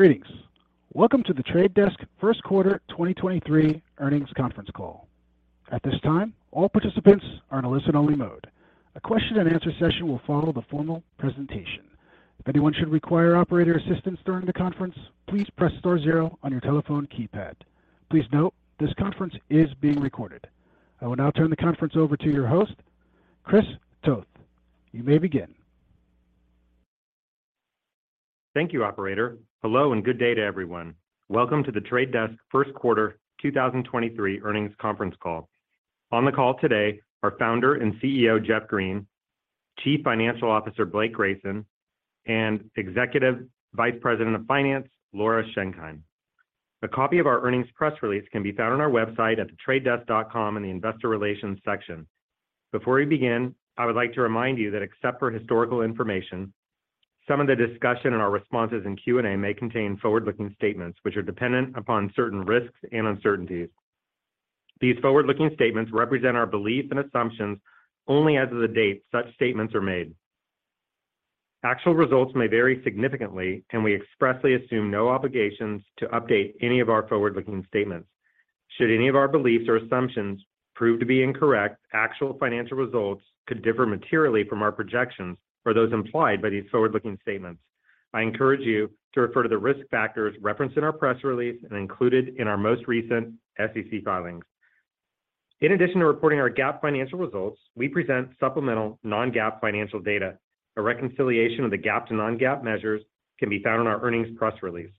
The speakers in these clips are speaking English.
Greetings. Welcome to The Trade Desk first quarter 2023 earnings conference call. At this time, all participants are in a listen-only mode. A question-and-answer session will follow the formal presentation. If anyone should require operator assistance during the conference, please press star zero on your telephone keypad. Please note, this conference is being recorded. I will now turn the conference over to your host, Chris Toth. You may begin. Thank you, operator. Hello, and good day to everyone. Welcome to The Trade Desk first quarter 2023 earnings conference call. On the call today are founder and CEO, Jeff Green, Chief Financial Officer, Blake Grayson, and Executive Vice President of Finance, Laura Schenkein. A copy of our earnings press release can be found on our website at thetradedesk.com in the investor relations section. Before we begin, I would like to remind you that except for historical information, some of the discussion and our responses in Q&A may contain forward-looking statements, which are dependent upon certain risks and uncertainties. These forward-looking statements represent our beliefs and assumptions only as of the date such statements are made. Actual results may vary significantly, and we expressly assume no obligations to update any of our forward-looking statements. Should any of our beliefs or assumptions prove to be incorrect, actual financial results could differ materially from our projections or those implied by these forward-looking statements. I encourage you to refer to the risk factors referenced in our press release and included in our most recent SEC filings. In addition to reporting our GAAP financial results, we present supplemental non-GAAP financial data. A reconciliation of the GAAP to non-GAAP measures can be found in our earnings press release.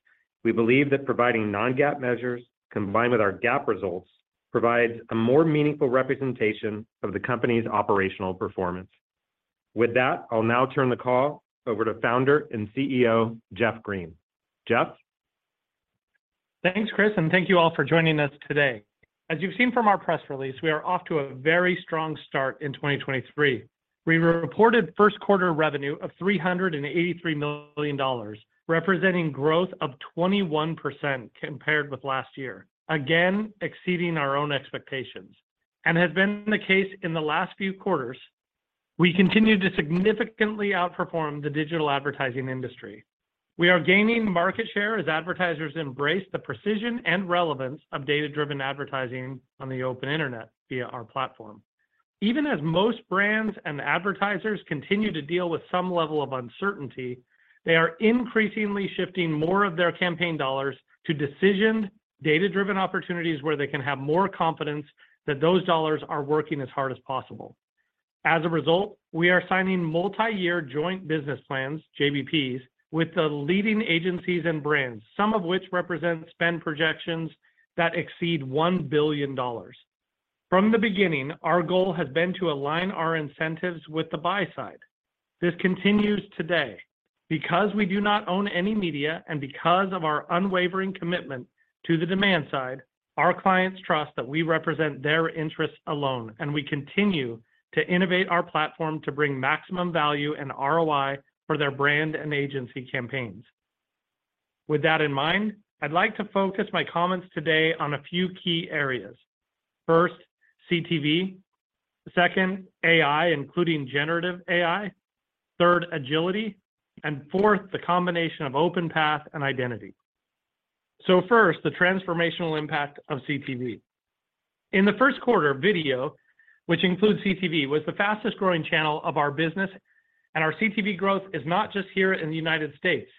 We believe that providing non-GAAP measures combined with our GAAP results provides a more meaningful representation of the company's operational performance. With that, I'll now turn the call over to founder and CEO, Jeff Green. Jeff? Thanks, Chris, and thank you all for joining us today. As you've seen from our press release, we are off to a very strong start in 2023. We reported first quarter revenue of $383 million, representing growth of 21% compared with last year, again, exceeding our own expectations. Has been the case in the last few quarters, we continue to significantly outperform the digital advertising industry. We are gaining market share as advertisers embrace the precision and relevance of data-driven advertising on the open internet via our platform. Even as most brands and advertisers continue to deal with some level of uncertainty, they are increasingly shifting more of their campaign dollars to decisioned data-driven opportunities where they can have more confidence that those dollars are working as hard as possible. As a result, we are signing multi-year joint business plans, JBPs, with the leading agencies and brands, some of which represent spend projections that exceed $1 billion. From the beginning, our goal has been to align our incentives with the buy side. This continues today. Because we do not own any media, and because of our unwavering commitment to the demand side, our clients trust that we represent their interests alone, and we continue to innovate our platform to bring maximum value and ROI for their brand and agency campaigns. With that in mind, I'd like to focus my comments today on a few key areas. First, CTV. Second, AI, including generative AI. Third, agility. And fourth, the combination of OpenPath and identity. First, the transformational impact of CTV. In the Q1, video, which includes CTV, was the fastest-growing channel of our business. Our CTV growth is not just here in the United States.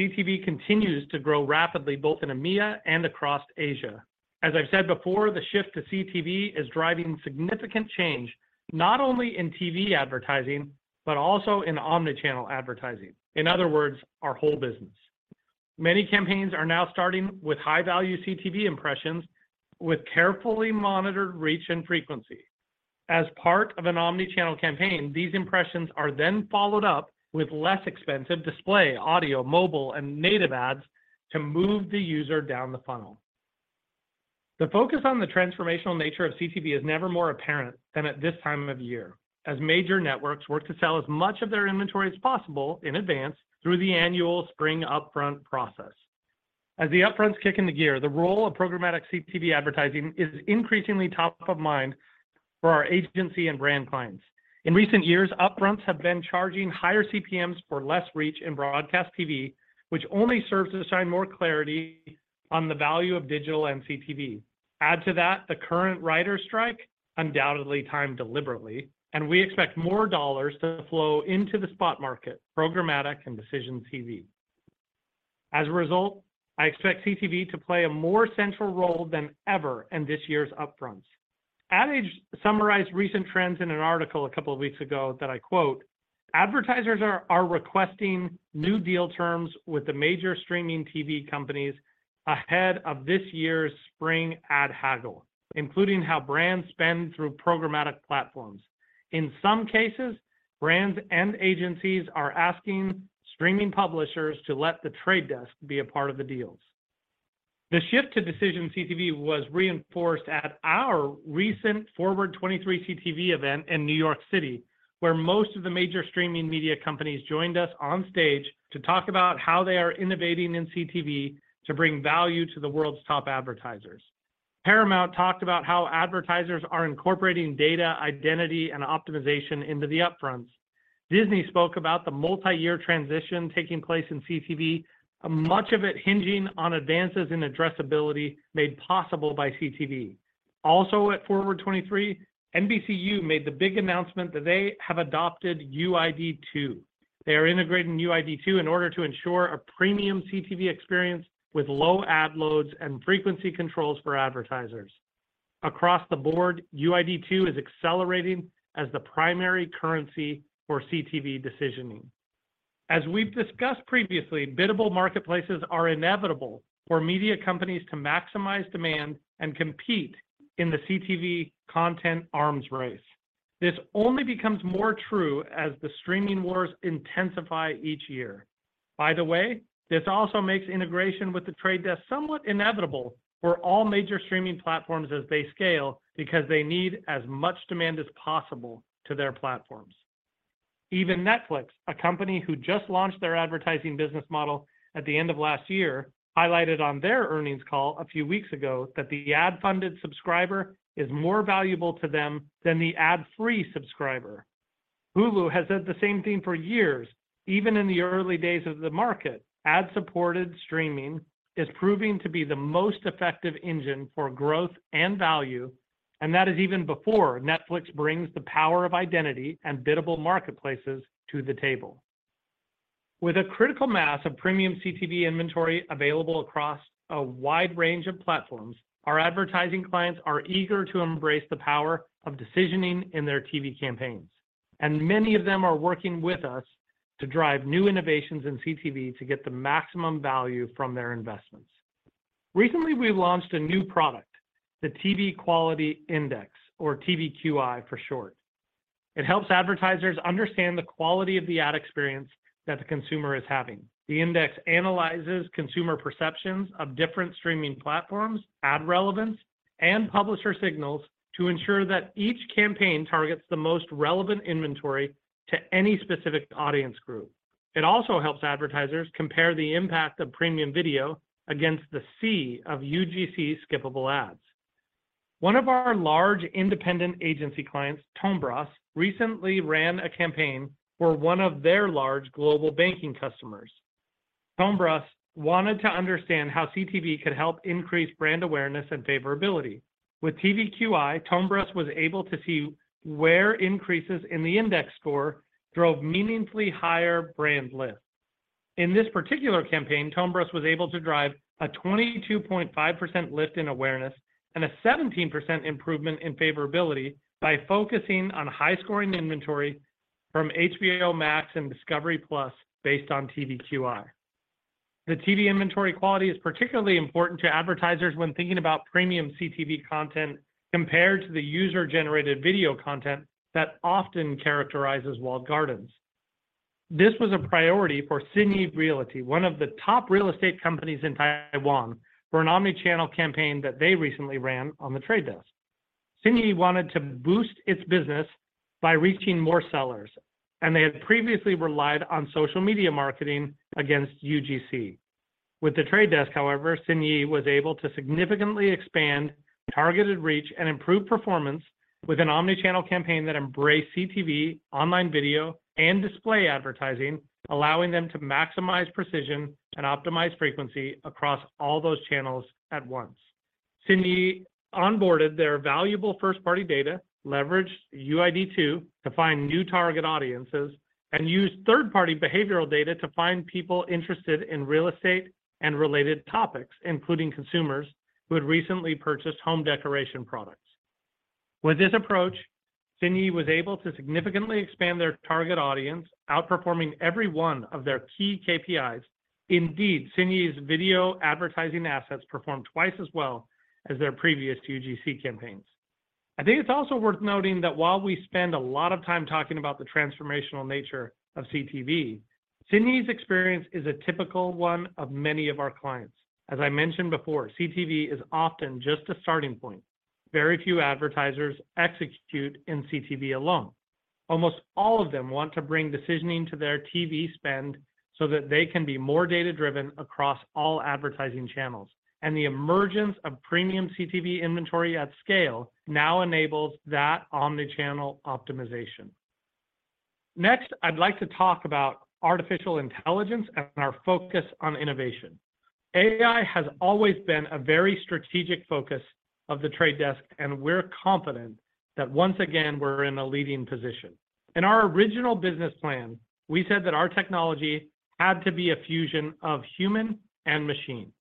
CTV continues to grow rapidly, both in EMEA and across Asia. As I've said before, the shift to CTV is driving significant change, not only in TV advertising, but also in omnichannel advertising. In other words, our whole business. Many campaigns are now starting with high-value CTV impressions with carefully monitored reach and frequency. As part of an omnichannel campaign, these impressions are then followed up with less expensive display, audio, mobile, and native ads to move the user down the funnel. The focus on the transformational nature of CTV is never more apparent than at this time of year, as major networks work to sell as much of their inventory as possible in advance through the annual spring upfront process. As the upfronts kick into gear, the role of programmatic CTV advertising is increasingly top of mind for our agency and brand clients. In recent years, upfronts have been charging higher CPMs for less reach in broadcast TV, which only serves to shine more clarity on the value of digital and CTV. We expect more dollars to flow into the spot market, programmatic, and decision TV. As a result, I expect CTV to play a more central role than ever in this year's upfronts. Ad Age summarized recent trends in an article a couple of weeks ago that I quote, "Advertisers are requesting new deal terms with the major streaming TV companies ahead of this year's spring ad haggle, including how brands spend through programmatic platforms. In some cases, brands and agencies are asking streaming publishers to let The Trade Desk be a part of the deals. The shift to decision CTV was reinforced at our recent Forward 2023 CTV event in New York City, where most of the major streaming media companies joined us on stage to talk about how they are innovating in CTV to bring value to the world's top advertisers. Paramount talked about how advertisers are incorporating data, identity, and optimization into the upfronts. Disney spoke about the multi-year transition taking place in CTV, much of it hinging on advances in addressability made possible by CTV. Also, at Forward 2023, NBCU made the big announcement that they have adopted UID2. They are integrating UID2 in order to ensure a premium CTV experience with low ad loads and frequency controls for advertisers. Across the board, UID2 is accelerating as the primary currency for CTV decisioning. We've discussed previously; biddable marketplaces are inevitable for media companies to maximize demand and compete in the CTV content arms race. This only becomes more true as the streaming wars intensify each year. This also makes integration with The Trade Desk somewhat inevitable for all major streaming platforms as they scale because they need as much demand as possible to their platforms. Even Netflix, a company who just launched their advertising business model at the end of last year, highlighted on their earnings call a few weeks ago that the ad-funded subscriber is more valuable to them than the ad-free subscriber. Hulu has said the same thing for years, even in the early days of the market. Ad-supported streaming is proving to be the most effective engine for growth and value, that is even before Netflix brings the power of identity and biddable marketplaces to the table. With a critical mass of premium CTV inventory available across a wide range of platforms, our advertising clients are eager to embrace the power of decisioning in their TV campaigns, and many of them are working with us to drive new innovations in CTV to get the maximum value from their investments. Recently, we launched a new product, the TV Quality Index, or TVQI for short. It helps advertisers understand the quality of the ad experience that the consumer is having. The index analyzes consumer perceptions of different streaming platforms, ad relevance, and publisher signals to ensure that each campaign targets the most relevant inventory to any specific audience group. It also helps advertisers compare the impact of premium video against the sea of UGC skippable ads. One of our large independent agency clients, Tombras, recently ran a campaign for one of their large global banking customers. Tombras wanted to understand how CTV could help increase brand awareness and favorability. With TVQI, Tombras was able to see where increases in the index score drove meaningfully higher brand lift. In this particular campaign, Tombras was able to drive a 22.5% lift in awareness and a 17% improvement in favorability by focusing on high-scoring inventory from HBO Max and Discovery+ based on TVQI. The TV inventory quality is particularly important to advertisers when thinking about premium CTV content compared to the user-generated video content that often characterizes walled gardens. This was a priority for Sinyi Realty, one of the top real estate companies in Taiwan, for an omnichannel campaign that they recently ran on The Trade Desk. Sinyi wanted to boost its business by reaching more sellers, and they had previously relied on social media marketing against UGC. With The Trade Desk, however, Sinyi was able to significantly expand targeted reach and improve performance with an omnichannel campaign that embraced CTV, online video, and display advertising, allowing them to maximize precision and optimize frequency across all those channels at once. Sinyi onboarded their valuable first-party data, leveraged UID2 to find new target audiences, and used third-party behavioral data to find people interested in real estate and related topics, including consumers who had recently purchased home decoration products. With this approach, Sinyi was able to significantly expand their target audience, outperforming every one of their key KPIs. Indeed, Sinyi's video advertising assets performed 2x as well as their previous UGC campaigns. I think it's also worth noting that while we spend a lot of time talking about the transformational nature of CTV, Sinyi's experience is a typical one of many of our clients. As I mentioned before, CTV is often just a starting point. Very few advertisers execute in CTV alone. Almost all of them want to bring decisioning to their TV spend so that they can be more data-driven across all advertising channels. The emergence of premium CTV inventory at scale now enables that omnichannel optimization. Next, I'd like to talk about artificial intelligence and our focus on innovation. AI has always been a very strategic focus of The Trade Desk, and we're confident that once again, we're in a leading position. In our original business plan, we said that our technology had to be a fusion of human and machine.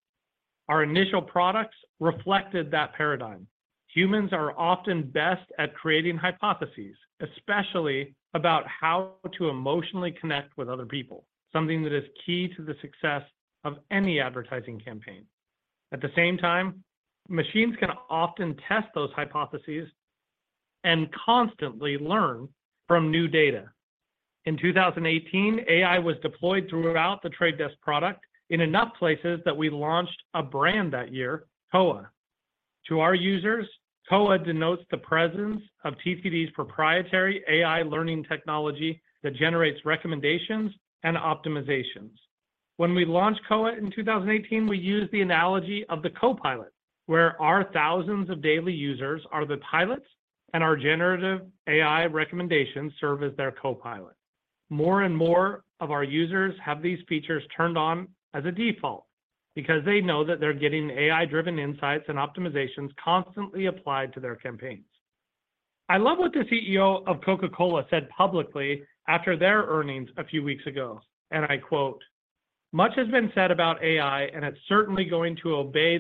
Our initial products reflected that paradigm. Humans are often best at creating hypotheses, especially about how to emotionally connect with other people, something that is key to the success of any advertising campaign. Machines can often test those hypotheses and constantly learn from new data. In 2018, AI was deployed throughout The Trade Desk product in enough places that we launched a brand that year, Koa. To our users, Koa denotes the presence of TTD's proprietary AI learning technology that generates recommendations and optimizations. When we launched Koa in 2018, we used the analogy of the co-pilot, where our thousands of daily users are the pilots and our generative AI recommendations serve as their co-pilot. More and more of our users have these features turned on as a default because they know that they're getting AI-driven insights and optimizations constantly applied to their campaigns. I love what the CEO of Coca-Cola said publicly after their earnings a few weeks ago, I quote, "Much has been said about AI, and it's certainly going to obey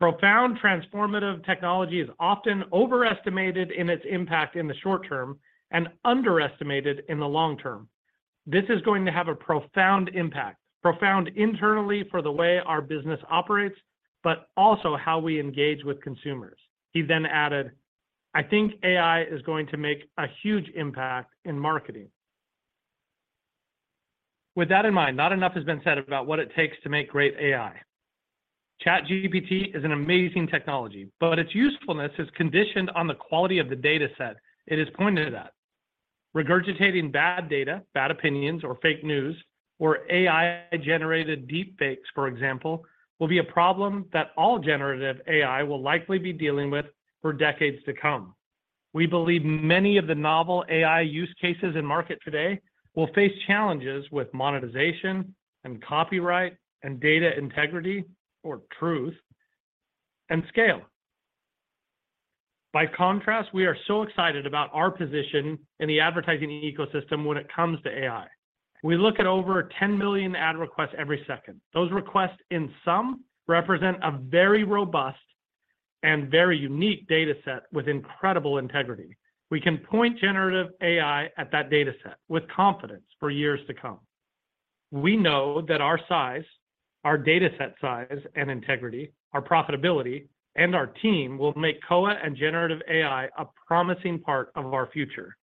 the maxim, 'Profound transformative technology is often overestimated in its impact in the short term and underestimated in the long term.' This is going to have a profound impact, profound internally for the way our business operates, but also how we engage with consumers." He added, "I think AI is going to make a huge impact in marketing." With that in mind, not enough has been said about what it takes to make great AI. ChatGPT is an amazing technology, but its usefulness is conditioned on the quality of the data set it is pointed at. Regurgitating bad data, bad opinions, or fake news, or AI-generated deepfakes, for example, will be a problem that all generative AI will likely be dealing with for decades to come. We believe many of the novel AI use cases in market today will face challenges with monetization and copyright and data integrity or truth and scale. By contrast, we are so excited about our position in the advertising ecosystem when it comes to AI. We look at over 10 billion ad requests every second. Those requests in sum represent a very robust and very unique data set with incredible integrity. We can point generative AI at that data set with confidence for years to come. We know that our size, our data set size and integrity, our profitability, and our team will make Koa and generative AI a promising part of our future.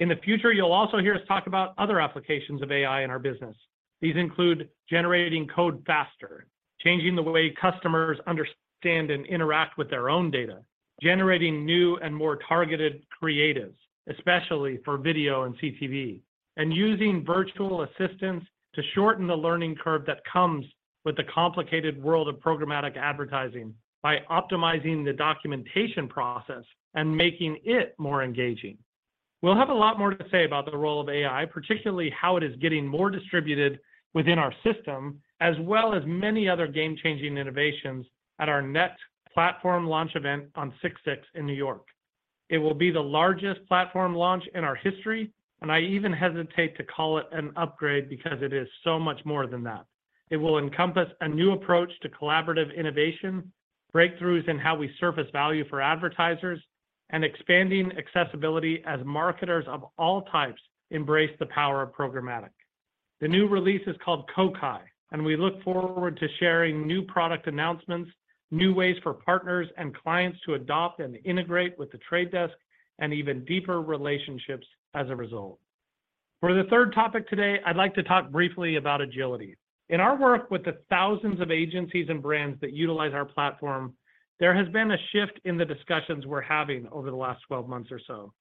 In the future, you'll also hear us talk about other applications of AI in our business. These include generating code faster, changing the way customers understand and interact with their own data, generating new and more targeted creatives, especially for video and CTV, and using virtual assistants to shorten the learning curve that comes with the complicated world of programmatic advertising by optimizing the documentation process and making it more engaging. We'll have a lot more to say about the role of AI, particularly how it is getting more distributed within our system, as well as many other game-changing innovations at our net platform launch event on 6/6 in New York. It will be the largest platform launch in our history, and I even hesitate to call it an upgrade because it is so much more than that. It will encompass a new approach to collaborative innovation, breakthroughs in how we surface value for advertisers, and expanding accessibility as marketers of all types embrace the power of programmatic. The new release is called Kokai, and we look forward to sharing new product announcements, new ways for partners and clients to adopt and integrate with The Trade Desk, and even deeper relationships as a result. For the third topic today, I'd like to talk briefly about agility. In our work with the thousands of agencies and brands that utilize our platform, there has been a shift in the discussions we're having over the last 12 months or so.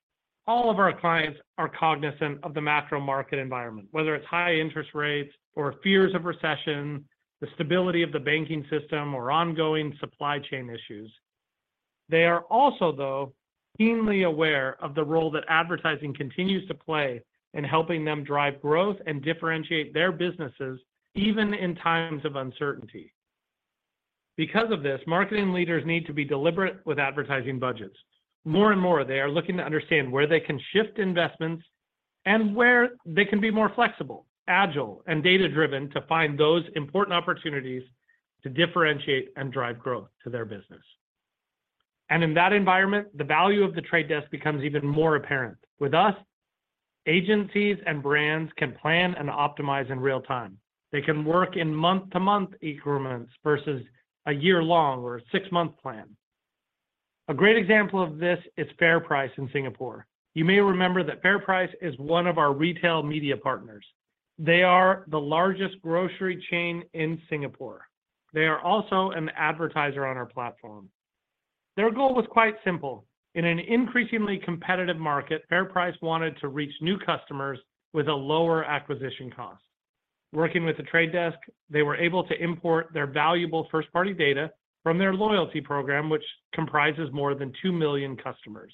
All of our clients are cognizant of the macro market environment, whether it's high interest rates or fears of recession, the stability of the banking system, or ongoing supply chain issues. They are also, though, keenly aware of the role that advertising continues to play in helping them drive growth and differentiate their businesses even in times of uncertainty. Because of this, marketing leaders need to be deliberate with advertising budgets. More and more, they are looking to understand where they can shift investments and where they can be more flexible, agile, and data-driven to find those important opportunities to differentiate and drive growth to their business. In that environment, the value of The Trade Desk becomes even more apparent. With us, agencies and brands can plan and optimize in real time. They can work in month-to-month increments versus a year-long or a six-month plan. A great example of this is FairPrice in Singapore. You may remember that FairPrice is one of our retail media partners. They are the largest grocery chain in Singapore. They are also an advertiser on our platform. Their goal was quite simple. In an increasingly competitive market, FairPrice wanted to reach new customers with a lower acquisition cost. Working with The Trade Desk, they were able to import their valuable first-party data from their loyalty program, which comprises more than 2 million customers.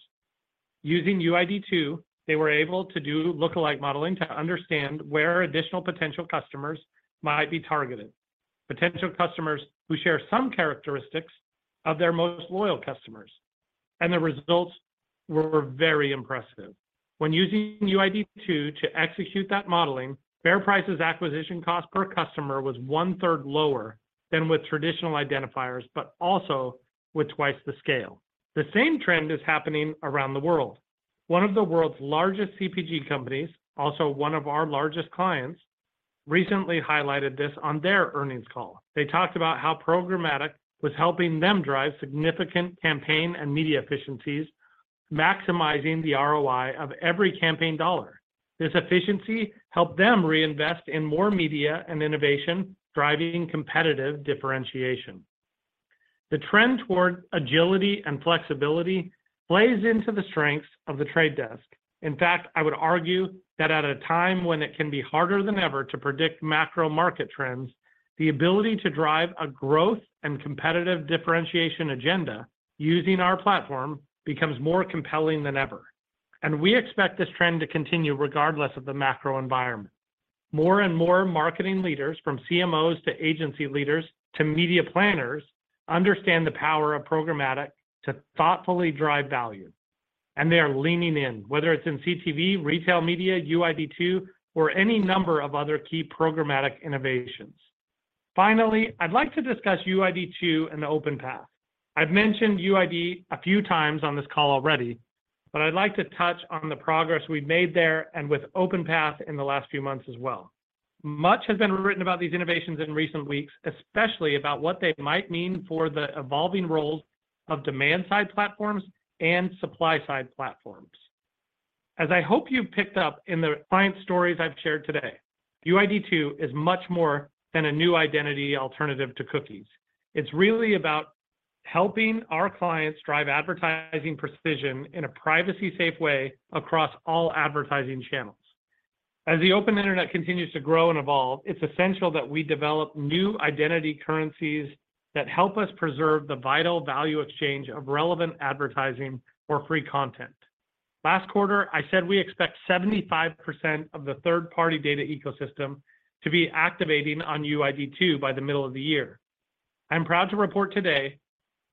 Using UID2, they were able to do lookalike modeling to understand where additional potential customers might be targeted, potential customers who share some characteristics of their most loyal customers. The results were very impressive. When using UID2 to execute that modeling, FairPrice's acquisition cost per customer was one-third lower than with traditional identifiers but also with 2x the scale. The same trend is happening around the world. One of the world's largest CPG companies, also one of our largest clients, recently highlighted this on their earnings call. They talked about how programmatic was helping them drive significant campaign and media efficiencies, maximizing the ROI of every campaign dollar. This efficiency helped them reinvest in more media and innovation, driving competitive differentiation. The trend toward agility and flexibility plays into the strengths of The Trade Desk. In fact, I would argue that at a time when it can be harder than ever to predict macro market trends, the ability to drive a growth and competitive differentiation agenda using our platform becomes more compelling than ever. We expect this trend to continue regardless of the macro environment. More and more marketing leaders from CMOs to agency leaders to media planners understand the power of programmatic to thoughtfully drive value. They are leaning in, whether it's in CTV, retail media, UID2, or any number of other key programmatic innovations. Finally, I'd like to discuss UID2 and the OpenPath. I've mentioned UID a few times on this call already. I'd like to touch on the progress we've made there and with OpenPath in the last few months as well. Much has been written about these innovations in recent weeks, especially about what they might mean for the evolving roles of demand-side platforms and supply-side platforms. As I hope you've picked up in the client stories I've shared today, UID2 is much more than a new identity alternative to cookies. It's really about helping our clients drive advertising precision in a privacy-safe way across all advertising channels. As the open internet continues to grow and evolve, it's essential that we develop new identity currencies that help us preserve the vital value exchange of relevant advertising for free content. Last quarter, I said we expect 75% of the third-party data ecosystem to be activating on UID2 by the middle of the year. I'm proud to report today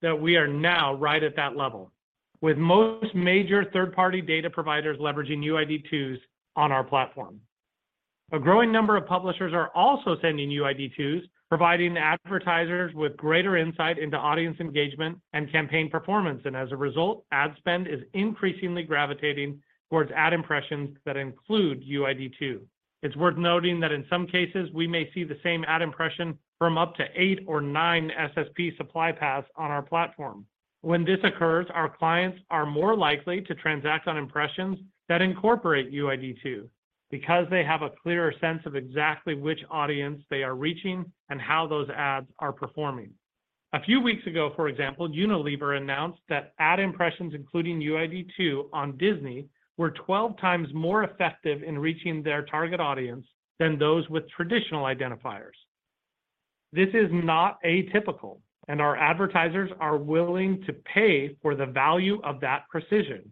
that we are now right at that level, with most major third-party data providers leveraging UID2s on our platform. A growing number of publishers are also sending UID2s, providing advertisers with greater insight into audience engagement and campaign performance. As a result, ad spend is increasingly gravitating towards ad impressions that include UID2. It's worth noting that in some cases, we may see the same ad impression from up to 8 or 9 SSP supply paths on our platform. When this occurs, our clients are more likely to transact on impressions that incorporate UID2 because they have a clearer sense of exactly which audience they are reaching and how those ads are performing. A few weeks ago, for example, Unilever announced that ad impressions including UID2 on Disney were 12 times more effective in reaching their target audience than those with traditional identifiers. This is not atypical, and our advertisers are willing to pay for the value of that precision.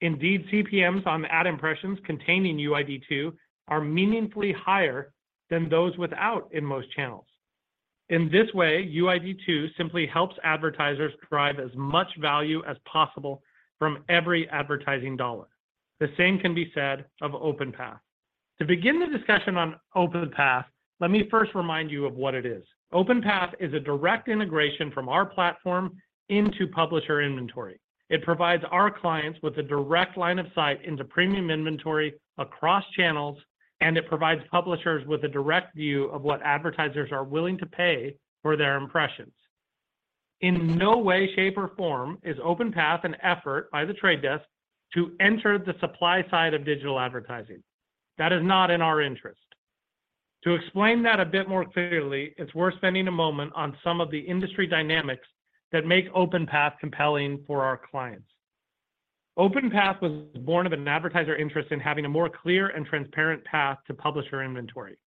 Indeed, CPMs on ad impressions containing UID2 are meaningfully higher than those without in most channels. In this way, UID2 simply helps advertisers drive as much value as possible from every advertising dollar. The same can be said of OpenPath. To begin the discussion on OpenPath, let me first remind you of what it is. OpenPath is a direct integration from our platform into publisher inventory. It provides our clients with a direct line of sight into premium inventory across channels, and it provides publishers with a direct view of what advertisers are willing to pay for their impressions. In no way, shape, or form is OpenPath an effort by The Trade Desk to enter the supply side of digital advertising. That is not in our interest. To explain that a bit more clearly, it's worth spending a moment on some of the industry dynamics that make OpenPath compelling for our clients. OpenPath was born of an advertiser interest in having a more clear and transparent path to publisher inventory,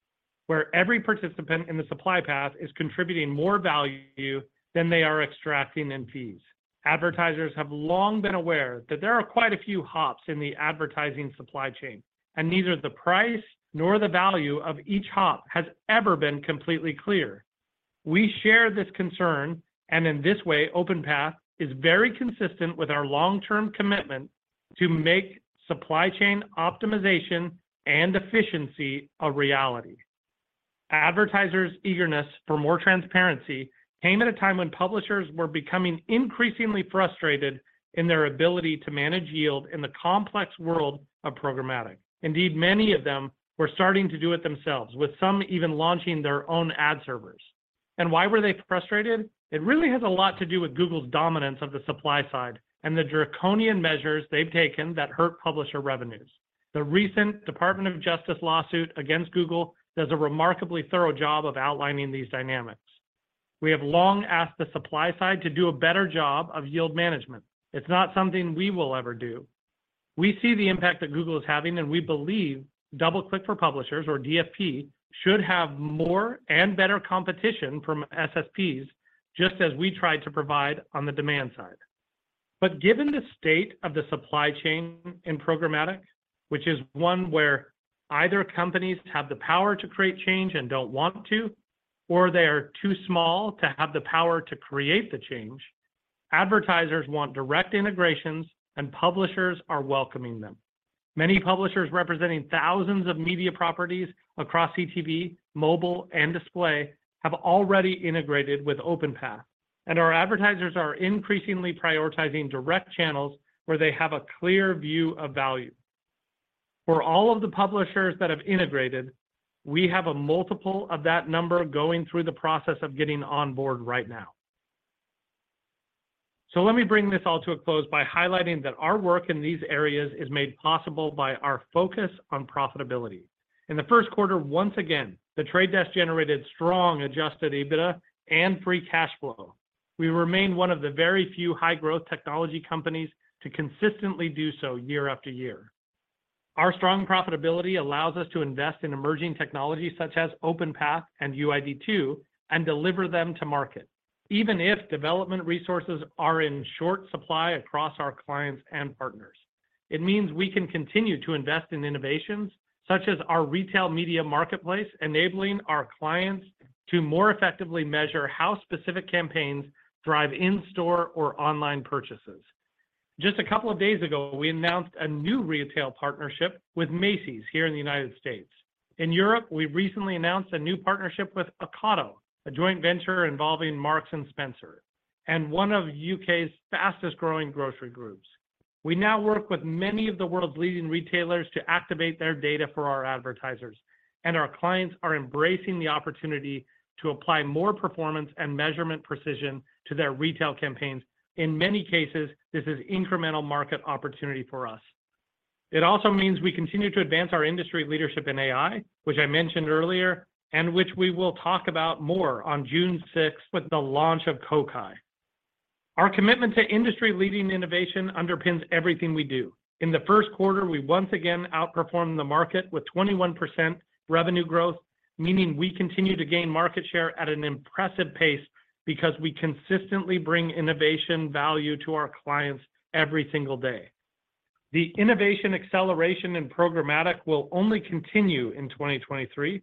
where every participant in the supply path is contributing more value than they are extracting in fees. Advertisers have long been aware that there are quite a few hops in the advertising supply chain, and neither the price nor the value of each hop has ever been completely clear. We share this concern. In this way, OpenPath is very consistent with our long-term commitment to make supply chain optimization and efficiency a reality. Advertisers' eagerness for more transparency came at a time when publishers were becoming increasingly frustrated in their ability to manage yield in the complex world of programmatic. Indeed, many of them were starting to do it themselves, with some even launching their own ad servers. Why were they frustrated? It really has a lot to do with Google's dominance of the supply side and the draconian measures they've taken that hurt publisher revenues. The recent Department of Justice lawsuit against Google does a remarkably thorough job of outlining these dynamics. We have long asked the supply side to do a better job of yield management. It's not something we will ever do. We see the impact that Google is having, and we believe DoubleClick for Publishers, or DFP, should have more and better competition from SSPs, just as we tried to provide on the demand side. Given the state of the supply chain in programmatic, which is one where either companies have the power to create change and don't want to, or they are too small to have the power to create the change, advertisers want direct integrations, and publishers are welcoming them. Many publishers representing thousands of media properties across CTV, mobile, and display have already integrated with OpenPath, and our advertisers are increasingly prioritizing direct channels where they have a clear view of value. For all of the publishers that have integrated, we have a multiple of that number going through the process of getting on board right now. Let me bring this all to a close by highlighting that our work in these areas is made possible by our focus on profitability. In the first quarter, once again, The Trade Desk generated strong adjusted EBITDA and free cash flow. We remain one of the very few high-growth technology companies to consistently do so year after year. Our strong profitability allows us to invest in emerging technologies such as OpenPath and UID2 and deliver them to market even if development resources are in short supply across our clients and partners. It means we can continue to invest in innovations such as our retail media marketplace, enabling our clients to more effectively measure how specific campaigns drive in-store or online purchases. Just a couple of days ago, we announced a new retail partnership with Macy's here in the United States. In Europe, we recently announced a new partnership with Ocado, a joint venture involving Marks & Spencer, and one of U.K.'s fastest-growing grocery groups. We now work with many of the world's leading retailers to activate their data for our advertisers, and our clients are embracing the opportunity to apply more performance and measurement precision to their retail campaigns. In many cases, this is incremental market opportunity for us. It also means we continue to advance our industry leadership in AI, which I mentioned earlier, and which we will talk about more on June 6 with the launch of Kokai. Our commitment to industry-leading innovation underpins everything we do. In the first quarter, we once again outperformed the market with 21% revenue growth, meaning we continue to gain market share at an impressive pace because we consistently bring innovation value to our clients every single day. The innovation acceleration in programmatic will only continue in 2023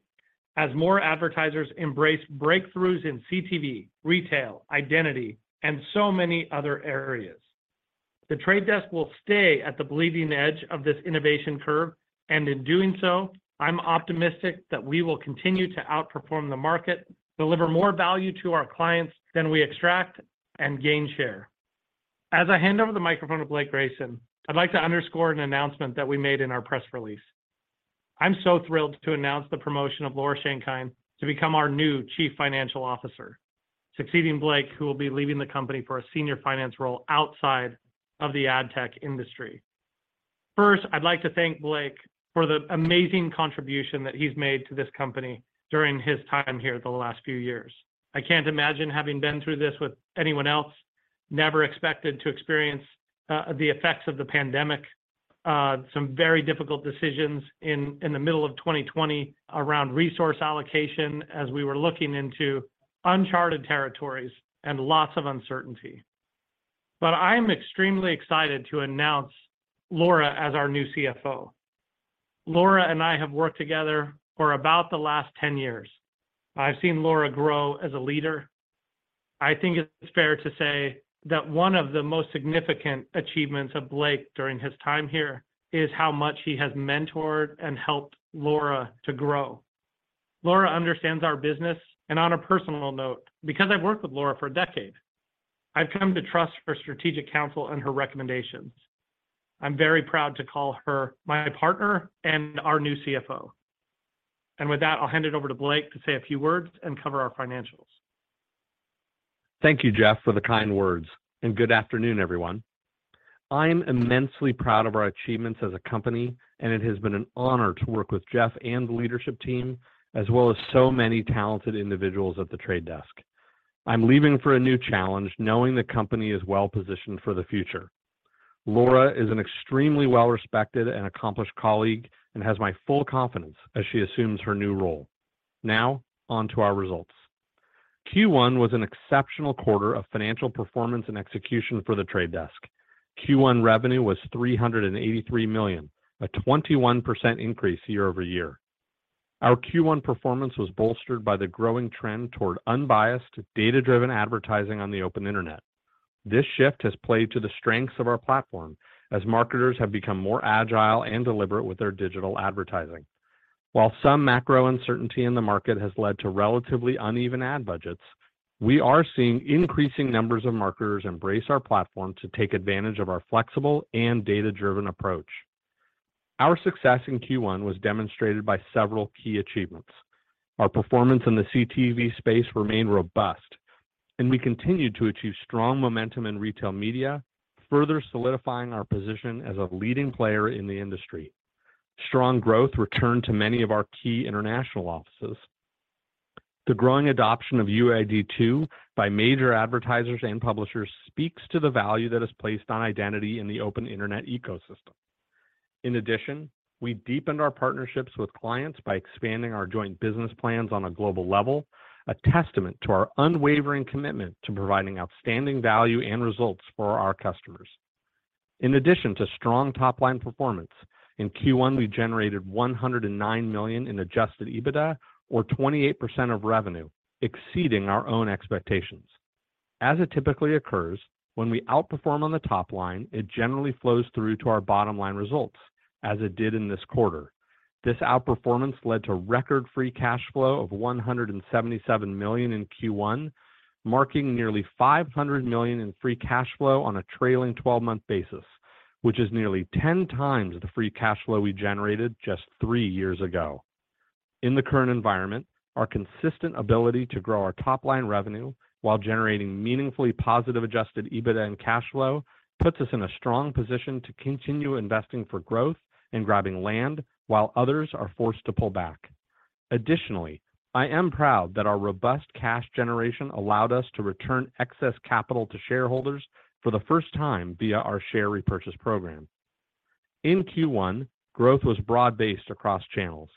as more advertisers embrace breakthroughs in CTV, retail, identity, and so many other areas. The Trade Desk will stay at the bleeding edge of this innovation curve, and in doing so, I'm optimistic that we will continue to outperform the market, deliver more value to our clients than we extract, and gain share. As I hand over the microphone to Blake Grayson, I'd like to underscore an announcement that we made in our press release. I'm so thrilled to announce the promotion of Laura Schenkein to become our new Chief Financial Officer, succeeding Blake, who will be leaving the company for a senior finance role outside of the ad tech industry. First, I'd like to thank Blake for the amazing contribution that he's made to this company during his time here the last few years. I can't imagine having been through this with anyone else. Never expected to experience the effects of the pandemic, some very difficult decisions in the middle of 2020 around resource allocation as we were looking into uncharted territories and lots of uncertainty. I am extremely excited to announce Laura as our new CFO. Laura and I have worked together for about the last 10 years. I've seen Laura grow as a leader. I think it's fair to say that one of the most significant achievements of Blake during his time here is how much he has mentored and helped Laura to grow. Laura understands our business, and on a personal note, because I've worked with Laura for a decade, I've come to trust her strategic counsel and her recommendations. I'm very proud to call her my partner and our new CFO. With that, I'll hand it over to Blake to say a few words and cover our financials. Thank you, Jeff, for the kind words, and good afternoon, everyone. I'm immensely proud of our achievements as a company, and it has been an honor to work with Jeff and the leadership team as well as so many talented individuals at The Trade Desk. I'm leaving for a new challenge knowing the company is well-positioned for the future. Laura is an extremely well-respected and accomplished colleague and has my full confidence as she assumes her new role. On to our results. Q1 was an exceptional quarter of financial performance and execution for The Trade Desk. Q1 revenue was $383 million, a 21% increase year-over-year. Our Q1 performance was bolstered by the growing trend toward unbiased data-driven advertising on the open Internet. This shift has played to the strengths of our platform as marketers have become more agile and deliberate with their digital advertising. While some macro uncertainty in the market has led to relatively uneven ad budgets, we are seeing increasing numbers of marketers embrace our platform to take advantage of our flexible and data-driven approach. Our success in Q1 was demonstrated by several key achievements. Our performance in the CTV space remained robust, and we continued to achieve strong momentum in retail media, further solidifying our position as a leading player in the industry. Strong growth returned to many of our key international offices. The growing adoption of UID2 by major advertisers and publishers speaks to the value that is placed on identity in the open internet ecosystem. In addition, we deepened our partnerships with clients by expanding our Joint Business Plans on a global level, a testament to our unwavering commitment to providing outstanding value and results for our customers. In addition to strong top-line performance, in Q1, we generated $109 million in adjusted EBITDA or 28% of revenue, exceeding our own expectations. As it typically occurs, when we outperform on the top line, it generally flows through to our bottom-line results as it did in this quarter. This outperformance led to record free cash flow of $177 million in Q1, marking nearly $500 million in free cash flow on a trailing twelve-month basis, which is nearly 10x the free cash flow we generated just three years ago. In the current environment, our consistent ability to grow our top-line revenue while generating meaningfully positive adjusted EBITDA and cash flow puts us in a strong position to continue investing for growth and grabbing land while others are forced to pull back. Additionally, I am proud that our robust cash generation allowed us to return excess capital to shareholders for the first time via our share repurchase program. In Q1, growth was broad-based across channels.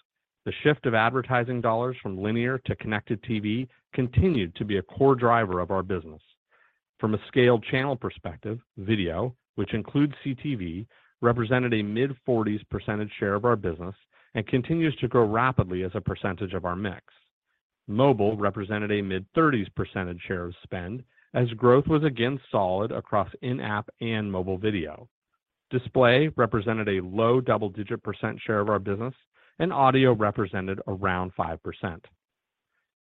The shift of advertising dollars from linear to connected TV continued to be a core driver of our business. From a scaled channel perspective, video, which includes CTV, represented a mid-40s % share of our business and continues to grow rapidly as a % of our mix. Mobile represented a mid-30s % share of spend as growth was again solid across in-app and mobile video. Display represented a low double-digit % share of our business, and audio represented around 5%.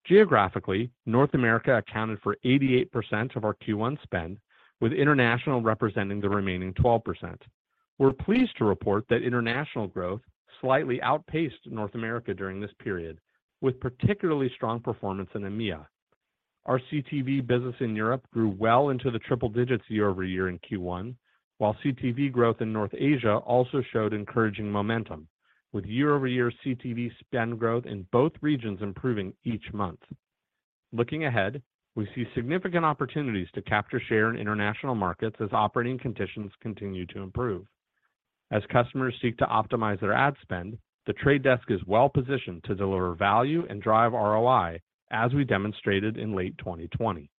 Geographically, North America accounted for 88% of our Q1 spend, with international representing the remaining 12%. We're pleased to report that international growth slightly outpaced North America during this period, with particularly strong performance in EMEA. Our CTV business in Europe grew well into the triple digits year-over-year in Q1, while CTV growth in North Asia also showed encouraging momentum, with year-over-year CTV spend growth in both regions improving each month. Looking ahead, we see significant opportunities to capture share in international markets as operating conditions continue to improve. As customers seek to optimize their ad spend, The Trade Desk is well-positioned to deliver value and drive ROI, as we demonstrated in late 2020.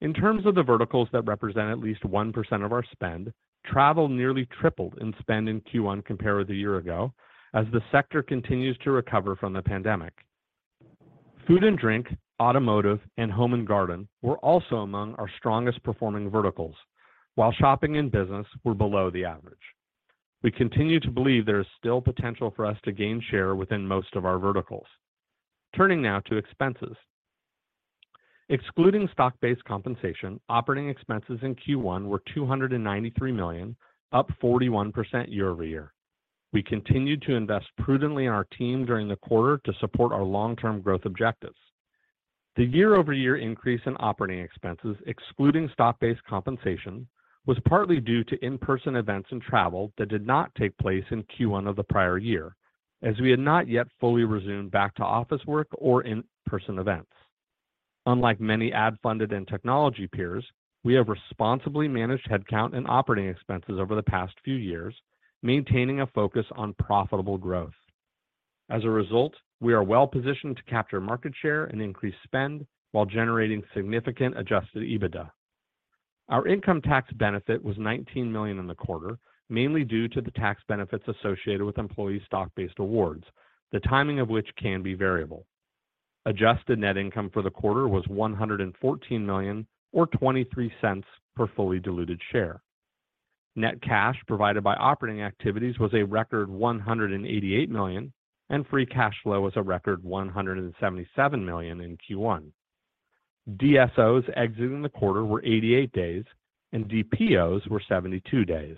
In terms of the verticals that represent at least 1% of our spend, travel nearly tripled in spend in Q1 compared with a year ago as the sector continues to recover from the pandemic. Food and drink, automotive, and home and garden were also among our strongest performing verticals, while shopping and business were below the average. We continue to believe there is still potential for us to gain share within most of our verticals. Turning now to expenses. Excluding stock-based compensation, operating expenses in Q1 were $293 million, up 41% year-over-year. We continued to invest prudently in our team during the quarter to support our long-term growth objectives. The year-over-year increase in operating expenses, excluding stock-based compensation, was partly due to in-person events and travel that did not take place in Q1 of the prior year, as we had not yet fully resumed back to office work or in-person events. Unlike many ad-funded and technology peers, we have responsibly managed headcount and operating expenses over the past few years, maintaining a focus on profitable growth. As a result, we are well-positioned to capture market share and increase spend while generating significant adjusted EBITDA. Our income tax benefit was $19 million in the quarter, mainly due to the tax benefits associated with employee stock-based awards, the timing of which can be variable. Adjusted net income for the quarter was $114 million or $0.23 per fully diluted share. Net cash provided by operating activities was a record $188 million, and free cash flow was a record $177 million in Q1. DSOs exiting the quarter were 88 days and DPOs were 72 days.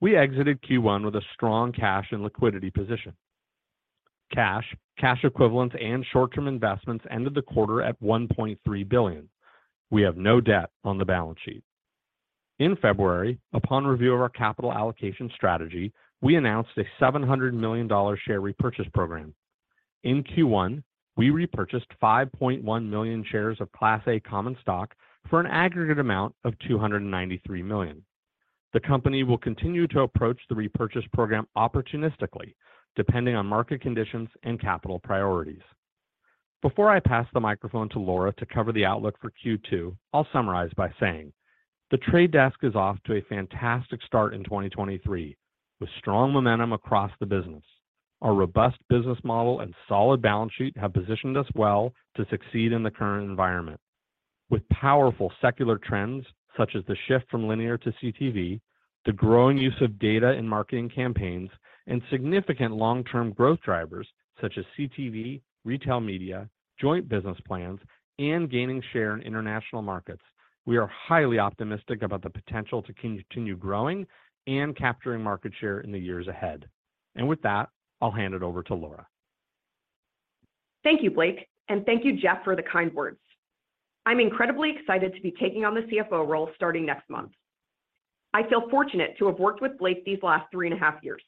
We exited Q1 with a strong cash and liquidity position. Cash, cash equivalents, and short-term investments ended the quarter at $1.3 billion. We have no debt on the balance sheet. In February, upon review of our capital allocation strategy, we announced a $700 million share repurchase program. In Q1, we repurchased 5.1 million shares of Class A common stock for an aggregate amount of $293 million. The company will continue to approach the repurchase program opportunistically, depending on market conditions and capital priorities. Before I pass the microphone to Laura to cover the outlook for Q2, I'll summarize by saying The Trade Desk is off to a fantastic start in 2023, with strong momentum across the business. Our robust business model and solid balance sheet have positioned us well to succeed in the current environment. With powerful secular trends such as the shift from linear to CTV, the growing use of data in marketing campaigns, and significant long-term growth drivers such as CTV, retail media, joint business plans, and gaining share in international markets, we are highly optimistic about the potential to continue growing and capturing market share in the years ahead. With that, I'll hand it over to Laura. Thank you, Blake, and thank you, Jeff, for the kind words. I'm incredibly excited to be taking on the CFO role starting next month. I feel fortunate to have worked with Blake these last three and a half years.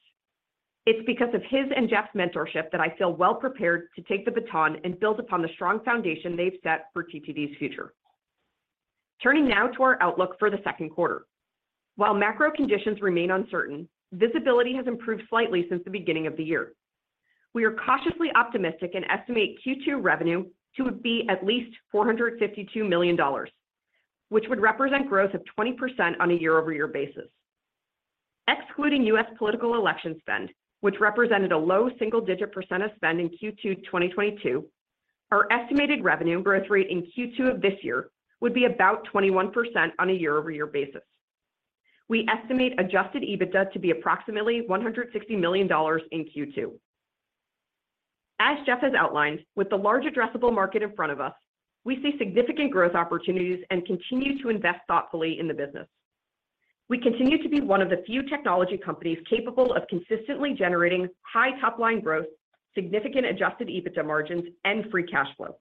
It's because of his and Jeff's mentorship that I feel well-prepared to take the baton and build upon the strong foundation they've set for TTD's future. Turning now to our outlook for the second quarter. While macro conditions remain uncertain, visibility has improved slightly since the beginning of the year. We are cautiously optimistic and estimate Q2 revenue to be at least $452 million, which would represent growth of 20% on a year-over-year basis. Excluding U.S. political election spend, which represented a low single-digit % of spend in Q2 2022, our estimated revenue growth rate in Q2 of this year would be about 21% on a year-over-year basis. We estimate adjusted EBITDA to be approximately $160 million in Q2. As Jeff has outlined, with the large addressable market in front of us, we see significant growth opportunities and continue to invest thoughtfully in the business. We continue to be one of the few technology companies capable of consistently generating high top-line growth, significant adjusted EBITDA margins, and free cash flow.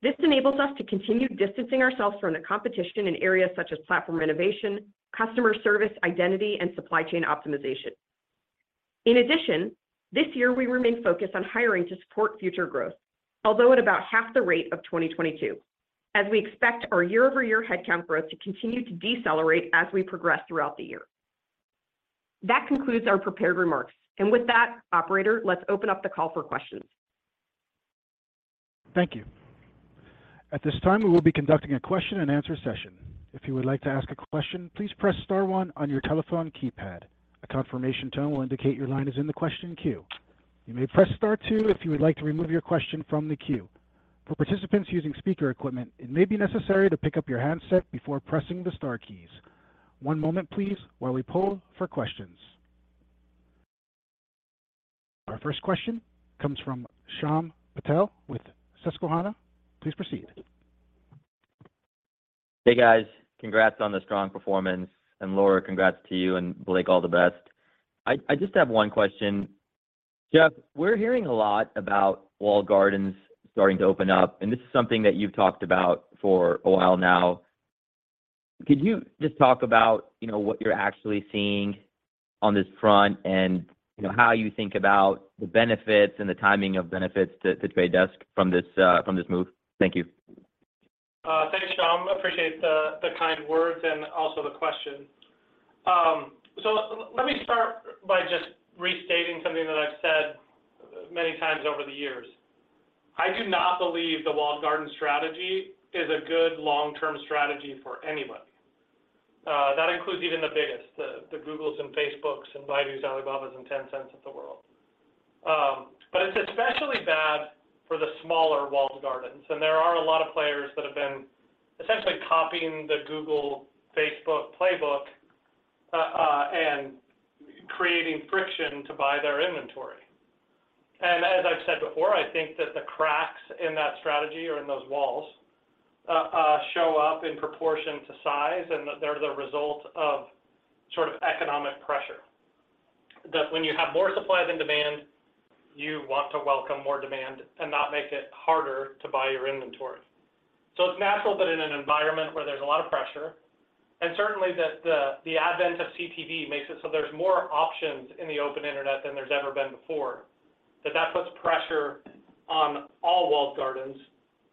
This enables us to continue distancing ourselves from the competition in areas such as platform innovation, customer service, identity, and supply chain optimization. In addition, this year we remain focused on hiring to support future growth, although at about half the rate of 2022, as we expect our year-over-year headcount growth to continue to decelerate as we progress throughout the year. That concludes our prepared remarks. With that, operator, let's open up the call for questions. Thank you. At this time, we will be conducting a question-and-answer session. If you would like to ask a question, please press star one on your telephone keypad. A confirmation tone will indicate your line is in the question queue. You may press star two if you would like to remove your question from the queue. For participants using speaker equipment, it may be necessary to pick up your handset before pressing the star keys. One moment, please, while we poll for questions. Our first question comes from Shyam Patil with Susquehanna. Please proceed. Hey, guys. Congrats on the strong performance. Laura, congrats to you, and Blake, all the best. I just have one question. Jeff, we're hearing a lot about walled gardens starting to open up, and this is something that you've talked about for a while now. Could you just talk about, what you're actually seeing on this front and how you think about the benefits and the timing of benefits to Trade Desk from this move? Thank you. Thanks, Shyam. Appreciate the kind words and also the question. Let me start by just restating something that I've said many times over the years. I do not believe the walled garden strategy is a good long-term strategy for anybody. That includes even the biggest, the Googles and Facebooks and Baidus, Alibabas, and Tencents of the world. It's especially bad for the smaller walled gardens, and there are a lot of players that have been essentially copying the Google/Facebook playbook and creating friction to buy their inventory. As I've said before, I think that the cracks in that strategy or in those walls show up in proportion to size, and that they're the result of sort of economic pressure. When you have more supply than demand, you want to welcome more demand and not make it harder to buy your inventory. It's natural that in an environment where there's a lot of pressure, and certainly that the advent of CTV makes it so there's more options in the open internet than there's ever been before, that that puts pressure on all walled gardens,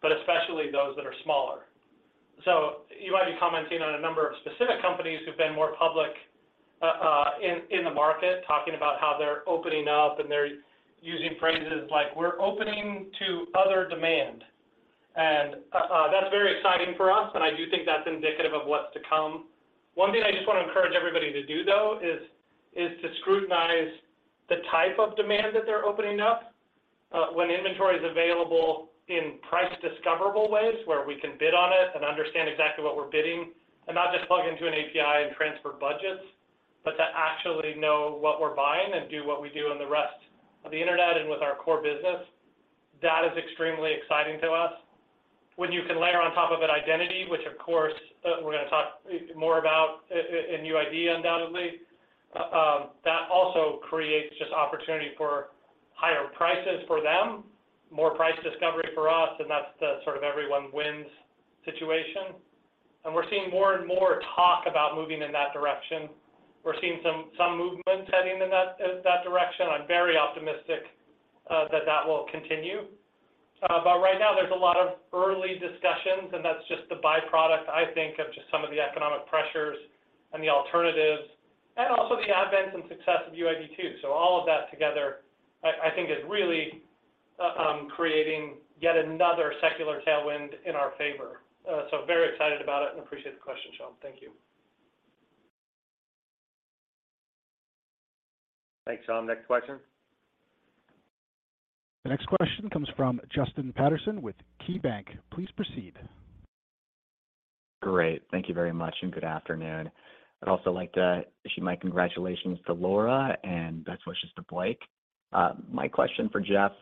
but especially those that are smaller. You might be commenting on a number of specific companies who've been more public in the market, talking about how they're opening up, and they're using phrases like, "We're opening to other demand." That's very exciting for us, and I do think that's indicative of what's to come. One thing I just want to encourage everybody to do, though, is to scrutinize the type of demand that they're opening up, when inventory is available in price-discoverable ways where we can bid on it and understand exactly what we're bidding, and not just plug into an API and transfer budgets, but to actually know what we're buying and do what we do on the rest of the internet and with our core business. That is extremely exciting to us. When you can layer on top of it identity, which of course, we're gonna talk more about in UID2 undoubtedly, that also creates just opportunity for higher prices for them, more price discovery for us, and that's the sort of everyone wins situation. We're seeing more and more talk about moving in that direction. We're seeing some movements heading in that direction. I'm very optimistic that that will continue. But right now, there's a lot of early discussions, and that's just the byproduct, I think, of just some of the economic pressures and the alternatives and also the advent and success of UID2, too. All of that together I think is really creating yet another secular tailwind in our favor. Very excited about it and appreciate the question, Shyam. Thank you. Thanks, Shyam. Next question. The next question comes from Justin Patterson with KeyBank. Please proceed. Great. Thank you very much, and good afternoon. I'd also like to issue my congratulations to Laura and best wishes to Blake. My question for Jeff.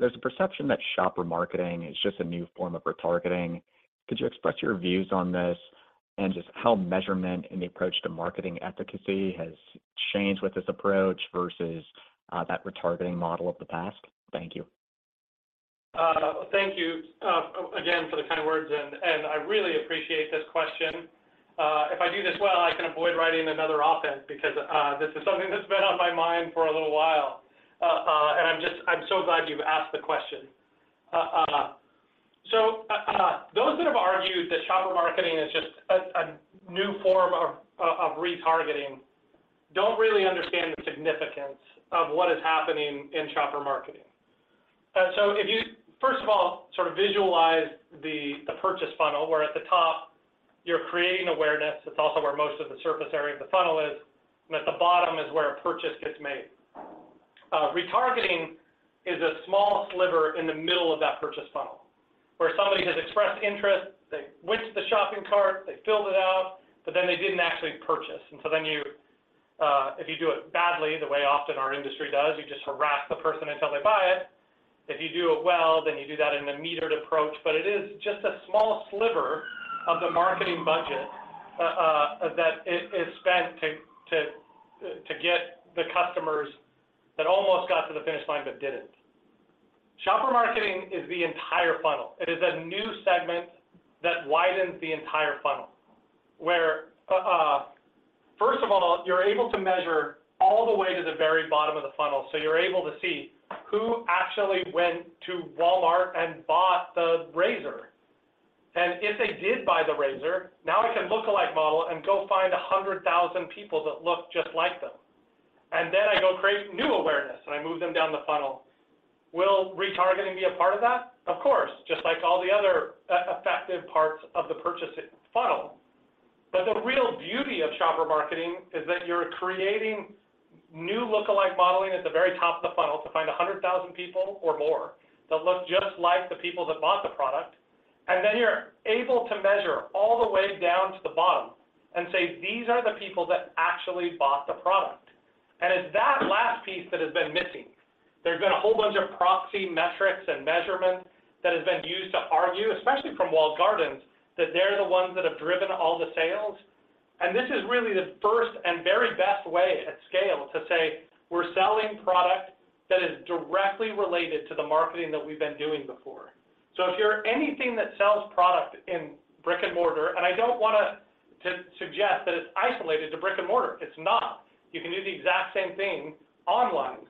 There's a perception that shopper marketing is just a new form of retargeting. Could you express your views on this and just how measurement and the approach to marketing efficacy has changed with this approach versus that retargeting model of the past? Thank you. Thank you again for the kind words. I really appreciate this question. If I do this well, I can avoid writing another op-ed because this is something that's been on my mind for a little while. I'm so glad you've asked the question. Those that have argued that shopper marketing is just a new form of retargeting don't really understand the significance of what is happening in shopper marketing. If you, first of all, sort of visualize the purchase funnel, where at the top you're creating awareness, that's also where most of the surface area of the funnel is, and at the bottom is where a purchase gets made. Retargeting is a small sliver in the middle of that purchase funnel, where somebody has expressed interest, they went to the shopping cart, they filled it out, but then they didn't actually purchase. If you do it badly, the way often our industry does, you just harass the person until they buy it. If you do it well, then you do that in a metered approach. It is just a small sliver of the marketing budget that is spent to get the customers that almost got to the finish line but didn't. Shopper marketing is the entire funnel. It is a new segment that widens the entire funnel, where, first of all, you're able to measure all the way to the very bottom of the funnel, so you're able to see who actually went to Walmart and bought the razor. If they did buy the razor, now I can look-alike model and go find 100,000 people that look just like them. Then I go create new awareness, and I move them down the funnel. Will retargeting be a part of that? Of course, just like all the other e-effective parts of the purchase funnel. The real beauty of shopper marketing is that you're creating new look-alike modeling at the very top of the funnel to find 100,000 people or more that look just like the people that bought the product, and then you're able to measure all the way down to the bottom and say, "These are the people that actually bought the product." It's that last piece that has been missing. There's been a whole bunch of proxy metrics and measurements that has been used to argue, especially from walled gardens, that they're the ones that have driven all the sales. This is really the first and very best way at scale to say we're selling product that is directly related to the marketing that we've been doing before. If you're anything that sells product in brick-and-mortar... I don't wanna to suggest that it's isolated to brick-and-mortar. It's not. You can do the exact same thing online.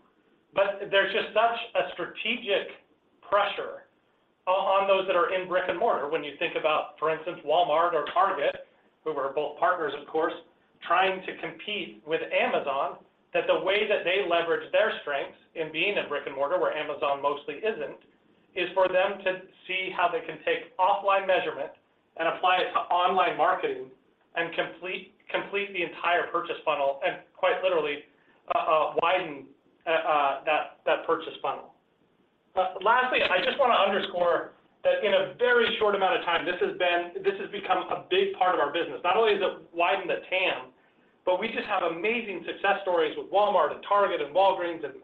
There's just such a strategic pressure on those that are in brick-and-mortar when you think about, for instance, Walmart or Target, who are both partners, of course, trying to compete with Amazon, that the way that they leverage their strengths in being in brick-and-mortar, where Amazon mostly isn't, is for them to see how they can take offline measurement and apply it to online marketing and complete the entire purchase funnel and quite literally widen that purchase funnel. Lastly, I just wanna underscore that in a very short amount of time, this has become a big part of our business. Not only has it widened the TAM, but we just have amazing success stories with Walmart and Target and Walgreens and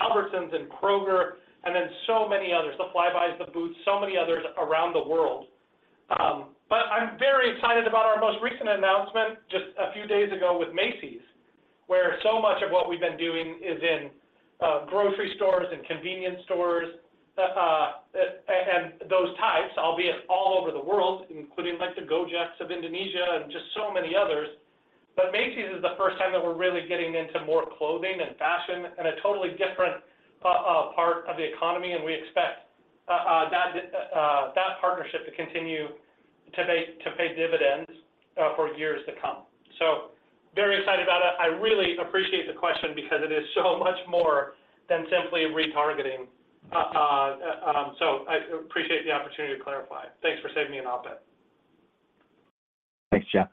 Albertsons and Kroger, and then so many others. The Flybuys, the Boots, so many others around the world. I'm very excited about our most recent announcement just a few days ago with Macy's, where so much of what we've been doing is in grocery stores and convenience stores and those types, albeit all over the world, including like the Gojek of Indonesia and just so many others. Macy's is the first time that we're really getting into more clothing and fashion and a totally different part of the economy, and we expect that partnership to continue to pay dividends for years to come. Very excited about it. I really appreciate the question because it is so much more than simply retargeting. I appreciate the opportunity to clarify. Thanks for saving me an op-ed. Thanks, Jeff.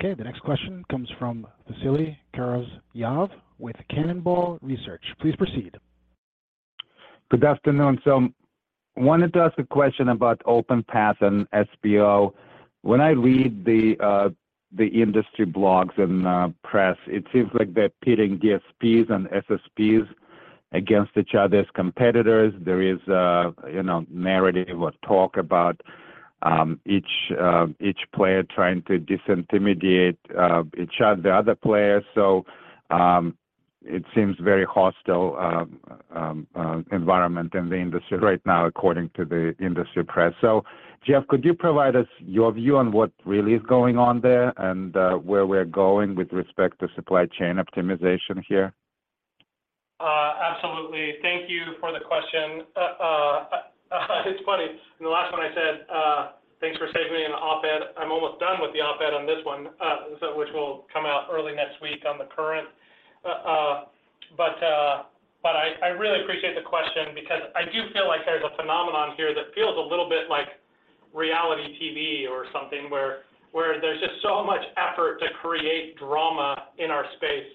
Okay. The next question comes from Vasily Karasyov with Cannonball Research. Please proceed. Good afternoon. Wanted to ask a question about OpenPath and SPO. When I read the industry blogs and press, it seems like they're pitting DSPs and SSPs against each other as competitors. There is, narrative or talk about each player trying to disintermediate each other, the other players. It seems very hostile environment in the industry right now according to the industry press. Jeff, could you provide us your view on what really is going on there and, where we're going with respect to supply chain optimization here? Absolutely. Thank you for the question. It's funny. In the last one I said, "Thanks for saving me an op-ed." I'm almost done with the op-ed on this one, which will come out early next week on the current. But I really appreciate the question because I do feel like there's a phenomenon here that feels a little bit like reality TV or something, where there's just so much effort to create drama in our space,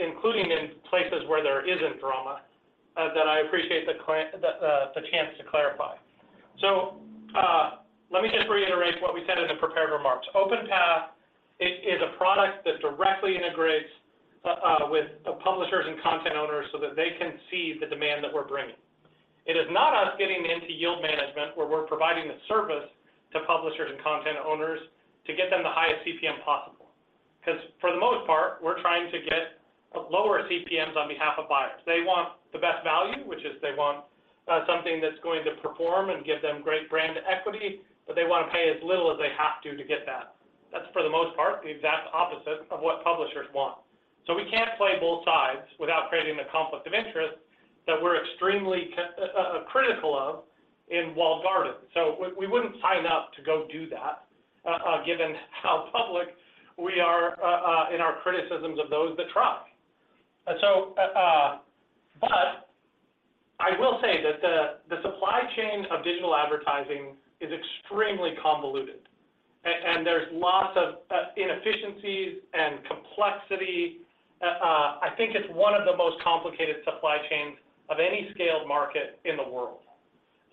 including in places where there isn't drama, that I appreciate the chance to clarify. Let me just reiterate what we said in the prepared remarks. OpenPath is a product that directly integrates with publishers and content owners so that they can see the demand that we're bringing. It is not us getting into yield management, where we're providing a service to publishers and content owners to get them the highest CPM possible. 'Cause for the most part, we're trying to get lower CPMs on behalf of buyers. They want the best value, which is they want something that's going to perform and give them great brand equity, but they wanna pay as little as they have to to get that. That's, for the most part, the exact opposite of what publishers want. We can't play both sides without creating the conflict of interest that we're extremely critical of in walled gardens. We wouldn't sign up to go do that given how public we are in our criticisms of those that try. I will say that the supply chain of digital advertising is extremely convoluted and there's lots of inefficiencies and complexity. I think it's one of the most complicated supply chains of any scaled market in the world.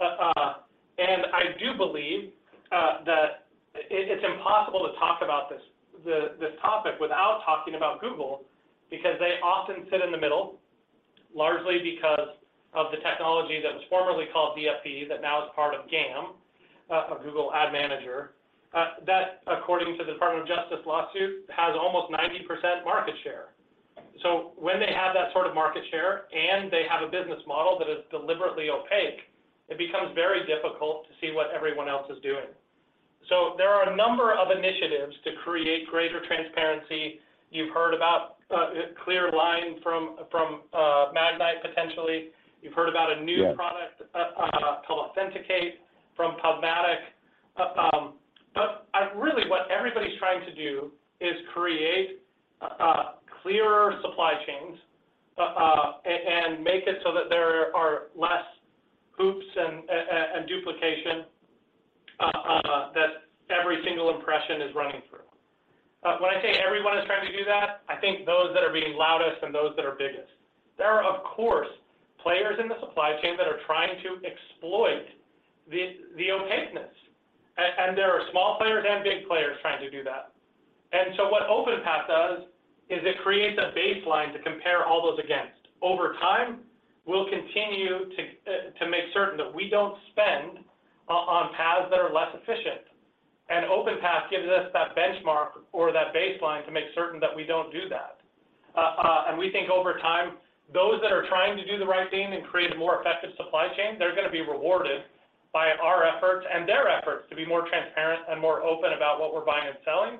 I do believe that it's impossible to talk about this topic without talking about Google because they often sit in the middle, largely because of the technology that was formerly called DFP that now is part of GAM, Google Ad Manager, that according to the Department of Justice lawsuit, has almost 90% market share. When they have that sort of market share and they have a business model that is deliberately opaque, it becomes very difficult to see what everyone else is doing. There are a number of initiatives to create greater transparency. You've heard about ClearLine from Magnite potentially. Yeah product called Activate from PubMatic. really what everybody's trying to do is create clearer supply chains and make it so that there are less hoops and duplication that every single impression is running through. When I say everyone is trying to do that, I think those that are being loudest and those that are biggest. There are, of course, players in the supply chain that are trying to exploit the opaqueness. There are small players and big players trying to do that. What OpenPath does is it creates a baseline to compare all those against. Over time, we'll continue to make certain that we don't spend on paths that are less efficient. OpenPath gives us that benchmark or that baseline to make certain that we don't do that. We think over time, those that are trying to do the right thing and create a more effective supply chain, they're gonna be rewarded by our efforts and their efforts to be more transparent and more open about what we're buying and selling.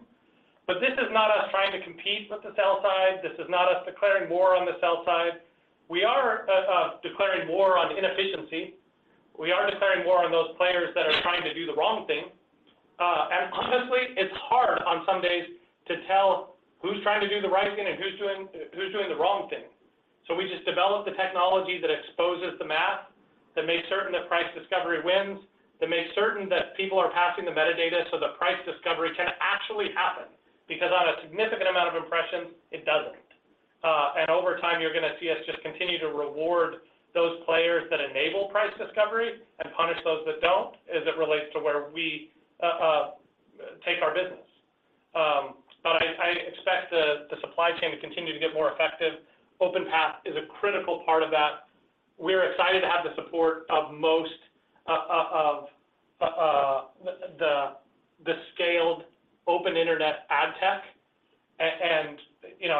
This is not us trying to compete with the sell side. This is not us declaring war on the sell side. We are declaring war on inefficiency. We are declaring war on those players that are trying to do the wrong thing. Honestly, it's hard on some days to tell who's trying to do the right thing and who's doing the wrong thing. We just developed the technology that exposes the math, that makes certain that price discovery wins, that makes certain that people are passing the metadata so that price discovery can actually happen. On a significant amount of impressions, it doesn't. Over time, you're gonna see us just continue to reward those players that enable price discovery and punish those that don't as it relates to where we take our business. I expect the supply chain to continue to get more effective. OpenPath is a critical part of that. We're excited to have the support of most of the scaled open internet ad tech.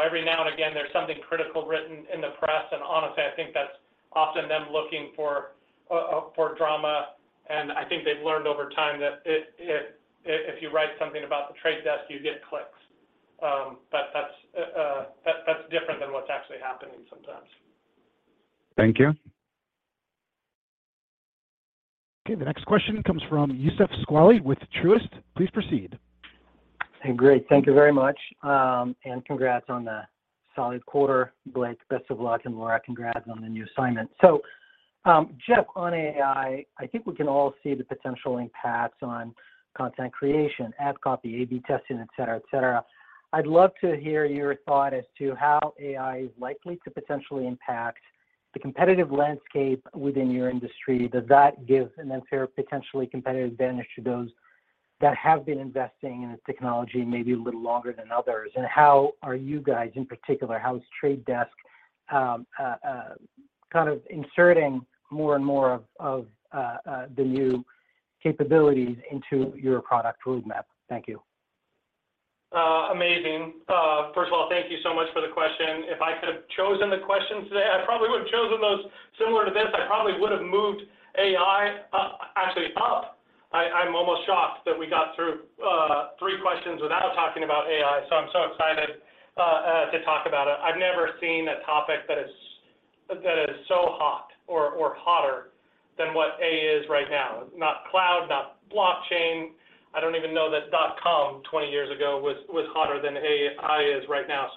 Every now and again, there's something critical written in the press, and honestly, I think that's often them looking for drama. I think they've learned over time that if you write something about The Trade Desk, you get clicks. That's different than what's actually happening sometimes. Thank you. The next question comes from Youssef Squali with Truist. Please proceed. Great. Thank you very much. Congrats on the solid quarter, Blake. Best of luck. Laura, congrats on the new assignment. Jeff, on AI, I think we can all see the potential impacts on content creation, ad copy, A/B testing, et cetera, et cetera. I'd love to hear your thought as to how AI is likely to potentially impact the competitive landscape within your industry. Does that give an unfair potentially competitive advantage to those that have been investing in the technology maybe a little longer than others? How are you guys in particular, how is The Trade Desk, kind of inserting more and more of the new capabilities into your product roadmap? Thank you. Amazing. First of all, thank you so much for the question. If I could have chosen the questions today, I probably would have chosen those similar to this. I probably would have moved AI actually up. I'm almost shocked that we got through three questions without talking about AI, so I'm so excited to talk about it. I've never seen a topic that is so hot or hotter than what AI is right now. Not cloud, not blockchain. I don't even know that dot-com 20 years ago was hotter than AI is right now.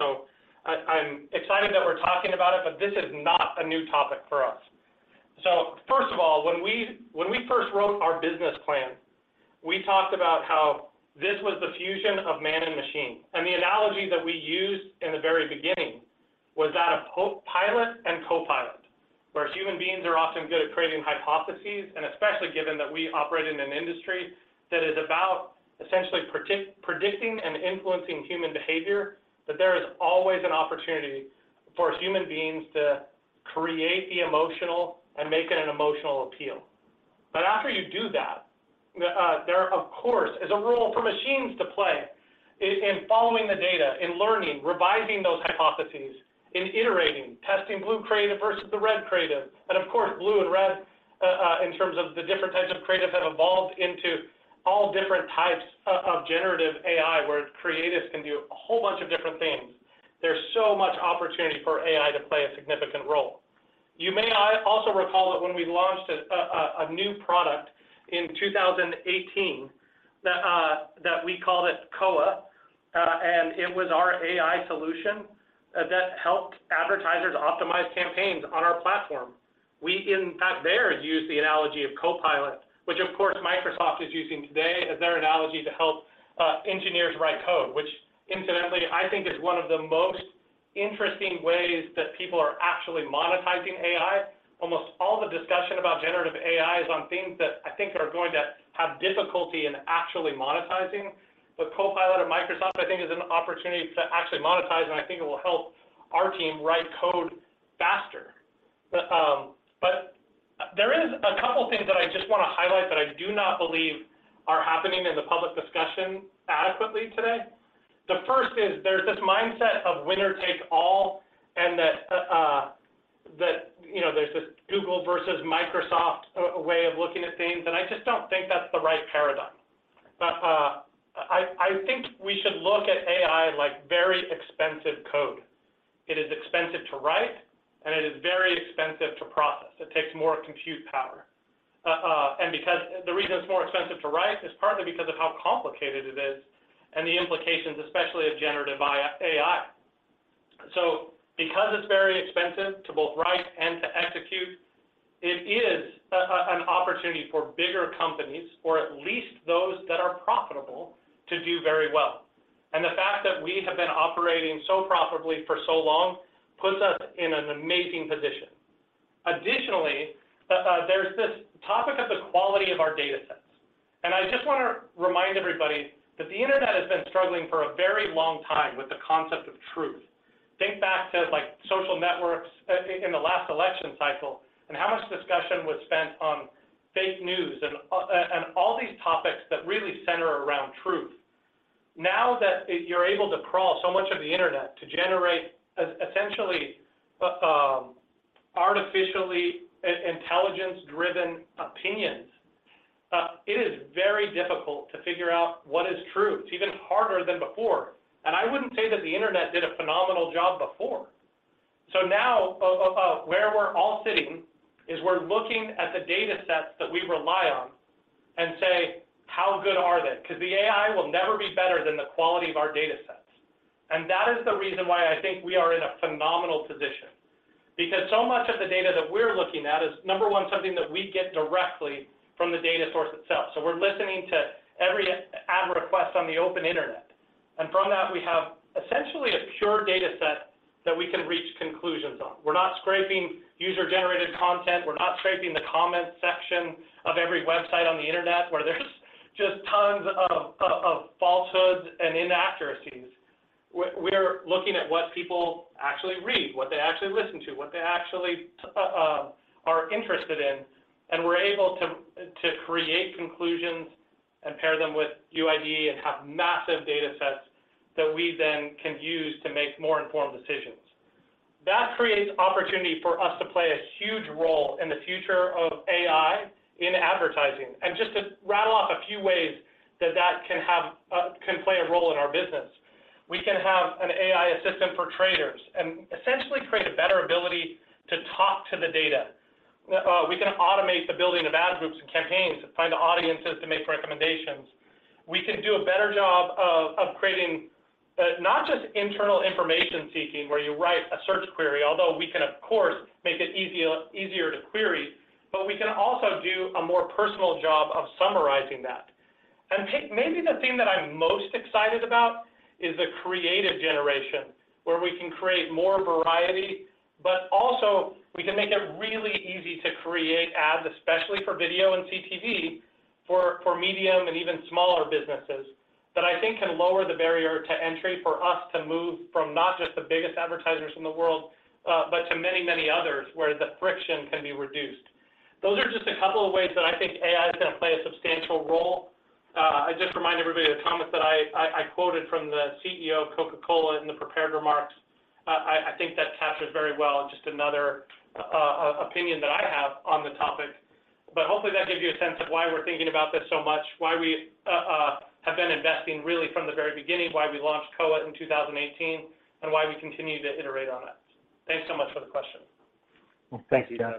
I'm excited that we're talking about it, but this is not a new topic for us. First of all, when we first wrote our business plan, we talked about how this was the fusion of man and machine. The analogy that we used in the very beginning was that of pilot and copilot, where human beings are often good at creating hypotheses, and especially given that we operate in an industry that is about essentially predicting and influencing human behavior, that there is always an opportunity for us human beings to create the emotional and make it an emotional appeal. After you do that, there of course is a role for machines to play in following the data, in learning, revising those hypotheses, in iterating, testing blue creative versus the red creative. Of course, blue and red, in terms of the different types of creative have evolved into all different types of generative AI, where creatives can do a whole bunch of different things. There's so much opportunity for AI to play a significant role. You may also recall that when we launched a new product in 2018, that we called it Koa, and it was our AI solution that helped advertisers optimize campaigns on our platform. We, in fact, there used the analogy of Copilot, which of course Microsoft is using today as their analogy to help engineers write code, which incidentally I think is one of the most interesting ways that people are actually monetizing AI. Almost all the discussion about generative AI is on things that I think are going to have difficulty in actually monetizing. Copilot at Microsoft, I think is an opportunity to actually monetize, and I think it will help our team write code faster. There is a couple things that I just want to highlight that I do not believe are happening in the public discussion adequately today. The first is there's this mindset of winner take all and there's this Google versus Microsoft way of looking at things, and I just don't think that's the right paradigm. I think we should look at AI like very expensive code. It is expensive to write, and it is very expensive to process. It takes more compute power. And because the reason it's more expensive to write is partly because of how complicated it is and the implications, especially of generative AI. Because it's very expensive to both write and to execute, it is an opportunity for bigger companies or at least those that are profitable to do very well. The fact that we have been operating so profitably for so long puts us in an amazing position. Additionally, there's this topic of the quality of our data sets. I just want to remind everybody that the internet has been struggling for a very long time with the concept of truth. Think back to, like, social networks, in the last election cycle and how much discussion was spent on fake news and all these topics that really center around truth. Now that you're able to crawl so much of the internet to generate essentially, artificially intelligence-driven opinions, it is very difficult to figure out what is true. It's even harder than before. I wouldn't say that the internet did a phenomenal job before. Now of where we're all sitting is we're looking at the data sets that we rely on and say, "How good are they?" Because the AI will never be better than the quality of our data sets. That is the reason why I think we are in a phenomenal position because so much of the data that we're looking at is, number one, something that we get directly from the data source itself. We're listening to every ad request on the open internet. From that, we have essentially a pure data set that we can reach conclusions on. We're not scraping user-generated content. We're not scraping the comment section of every website on the internet where there's just tons of falsehoods and inaccuracies. We're looking at what people actually read, what they actually listen to, what they actually are interested in, and we're able to create conclusions and pair them with UID2 and have massive data sets that we then can use to make more informed decisions. That creates opportunity for us to play a huge role in the future of AI in advertising. Just to rattle off a few ways that that can have can play a role in our business. We can have an AI assistant for traders and essentially create a better ability to talk to the data. We can automate the building of ad groups and campaigns to find audiences to make recommendations. We can do a better job of creating, not just internal information seeking, where you write a search query, although we can, of course, make it easier to query, but we can also do a more personal job of summarizing that. Maybe the thing that I'm most excited about is the creative generation, where we can create more variety, but also we can make it really easy to create ads, especially for video and CTV, for medium and even smaller businesses that I think can lower the barrier to entry for us to move from not just the biggest advertisers in the world, but to many, many others where the friction can be reduced. Those are just a couple of ways that I think AI is gonna play a substantial role. I just remind everybody the comment that I quoted from the CEO of Coca-Cola in the prepared remarks. I think that captures very well just another opinion that I have on the topic. Hopefully that gives you a sense of why we're thinking about this so much, why we have been investing really from the very beginning, why we launched Koa in 2018, and why we continue to iterate on it. Thanks so much for the question. Well, thank you, Jeff.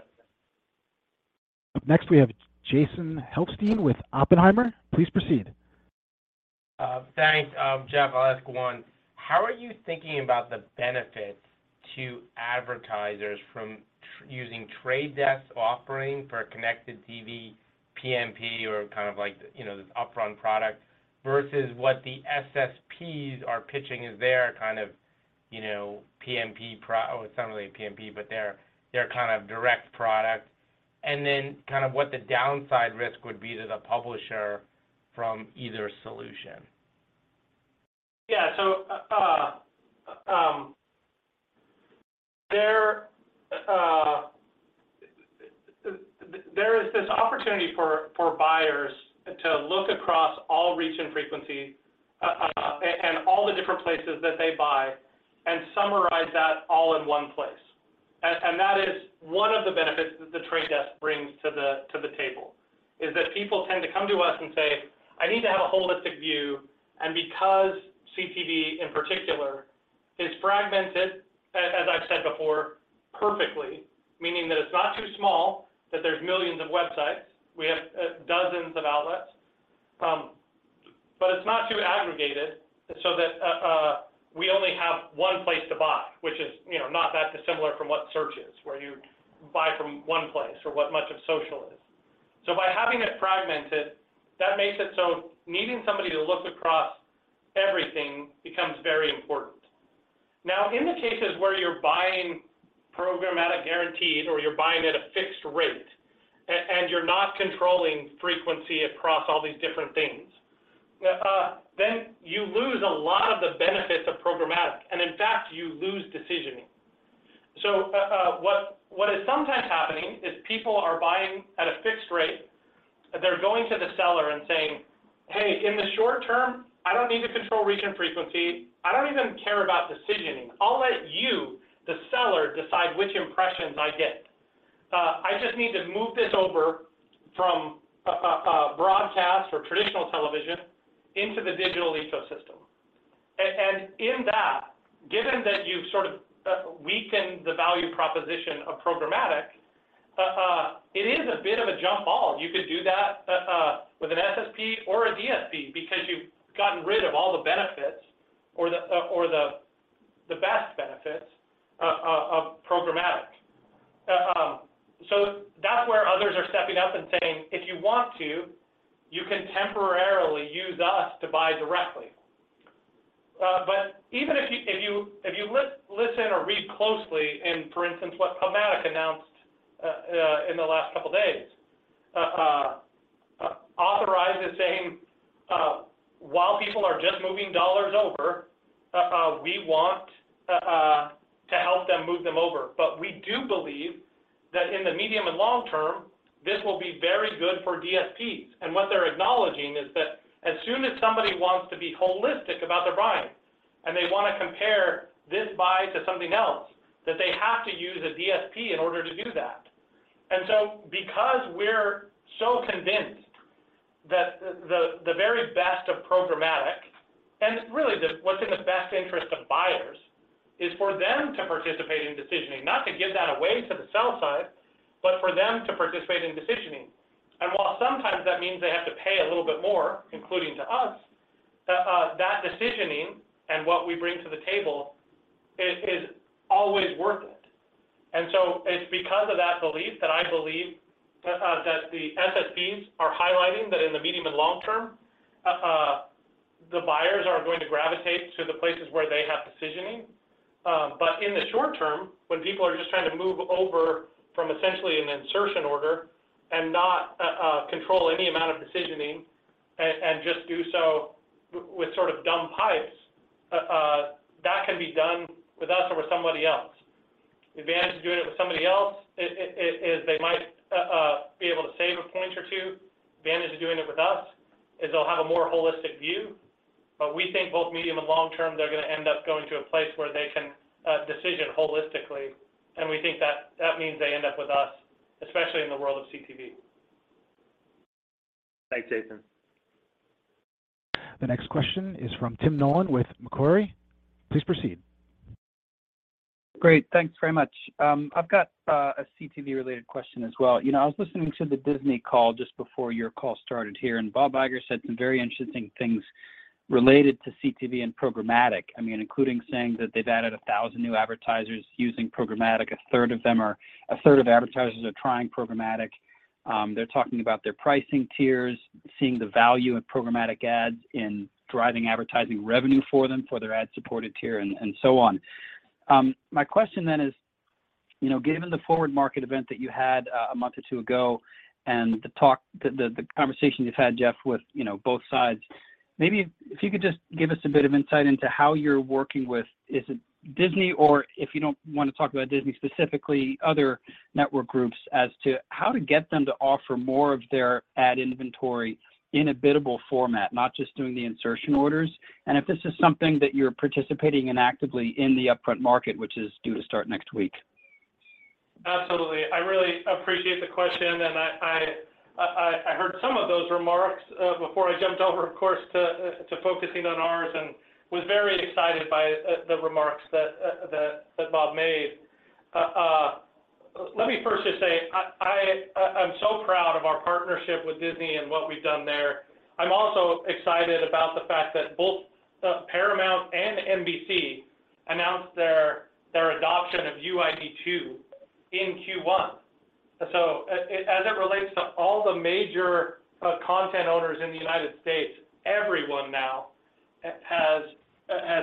Up next, we have Jason Helfstein with Oppenheimer. Please proceed. Thanks. Jeff, I'll ask one. How are you thinking about the benefits to advertisers from using The Trade Desk offering for a connected TV PMP or kind of like, this upfront product versus what the SSPs are pitching as their kind of PMP or it's not really a PMP, but their kind of direct product, and then kind of what the downside risk would be to the publisher from either solution? There is this opportunity for buyers to look across all reach and frequency and all the different places that they buy and summarize that all in one place. And that is one of the benefits that The Trade Desk brings to the table, is that people tend to come to us and say, "I need to have a holistic view." And because CTV in particular is fragmented, as I've said before, perfectly, meaning that it's not too small, that there's millions of websites. We have dozens of outlets. But it's not too aggregated so that we only have one place to buy, which is not that dissimilar from what search is, where you buy from one place or what much of social is. By having it fragmented, that makes it so needing somebody to look across everything becomes very important. Now, in the cases where you're buying programmatic guaranteed or you're buying at a fixed rate and you're not controlling frequency across all these different things, then you lose a lot of the benefits of programmatic, and in fact, you lose decisioning. What is sometimes happening is people are buying at a fixed rate, they're going to the seller and saying, "Hey, in the short term, I don't need to control region frequency. I don't even care about decisioning. I'll let you, the seller, decide which impressions I get. I just need to move this over from a broadcast or traditional television into the digital ecosystem." In that, given that you've sort of weakened the value proposition of programmatic, it is a bit of a jump ball. You could do that with an SSP or a DSP because you've gotten rid of all the benefits or the best benefits of programmatic. That's where others are stepping up and saying, "If you want to, you can temporarily use us to buy directly." Even if you listen or read closely in, for instance, what PubMatic announced, Authorize is saying, "While people are just moving dollars over, we want to help them move them over. We do believe that in the medium and long term, this will be very good for DSPs. What they're acknowledging is that as soon as somebody wants to be holistic about their buying, and they wanna compare this buy to something else, that they have to use a DSP in order to do that. Because we're so convinced that the very best of programmatic, and really what's in the best interest of buyers, is for them to participate in decisioning, not to give that away to the sell side, but for them to participate in decisioning. While sometimes that means they have to pay a little bit more, including to us, that decisioning and what we bring to the table is always worth it. It's because of that belief that I believe that the SSPs are highlighting that in the medium and long term, the buyers are going to gravitate to the places where they have decisioning. In the short term, when people are just trying to move over from essentially an insertion order and not control any amount of decisioning and just do so with sort of dumb pipes, that can be done with us or with somebody else. The advantage of doing it with somebody else is they might be able to save a point or two. Advantage of doing it with us is they'll have a more holistic view. We think both medium and long term, they're gonna end up going to a place where they can decision holistically. We think that means they end up with us, especially in the world of CTV. Thanks, Jason. The next question is from Tim Nollen with Macquarie. Please proceed. Great. Thanks very much. I've got a CTV related question as well. I was listening to the Disney call just before your call started here, and Bob Iger said some very interesting things related to CTV and programmatic. I mean, including saying that they've added 1,000 new advertisers using programmatic. A third of advertisers are trying programmatic. They're talking about their pricing tiers, seeing the value of programmatic ads in driving advertising revenue for them, for their ad-supported tier and so on. My question then is given the Forward 2023 event that you had, a month or 2 ago and the talk, the conversation you've had, Jeff, with both sides, maybe if you could just give us a bit of insight into how you're working with, is it Disney, or if you don't want to talk about Disney specifically, other network groups, as to how to get them to offer more of their ad inventory in a biddable format, not just doing the insertion orders? If this is something that you're participating in actively in the upfront market, which is due to start next week. Absolutely. I really appreciate the question. I heard some of those remarks before I jumped over, of course, to focusing on ours and was very excited by the remarks that Bob made. Let me first just say I'm so proud of our partnership with Disney and what we've done there. I'm also excited about the fact that both Paramount and NBCUniversal announced their adoption of UID2 in Q1. As it relates to all the major content owners in the United States, everyone now has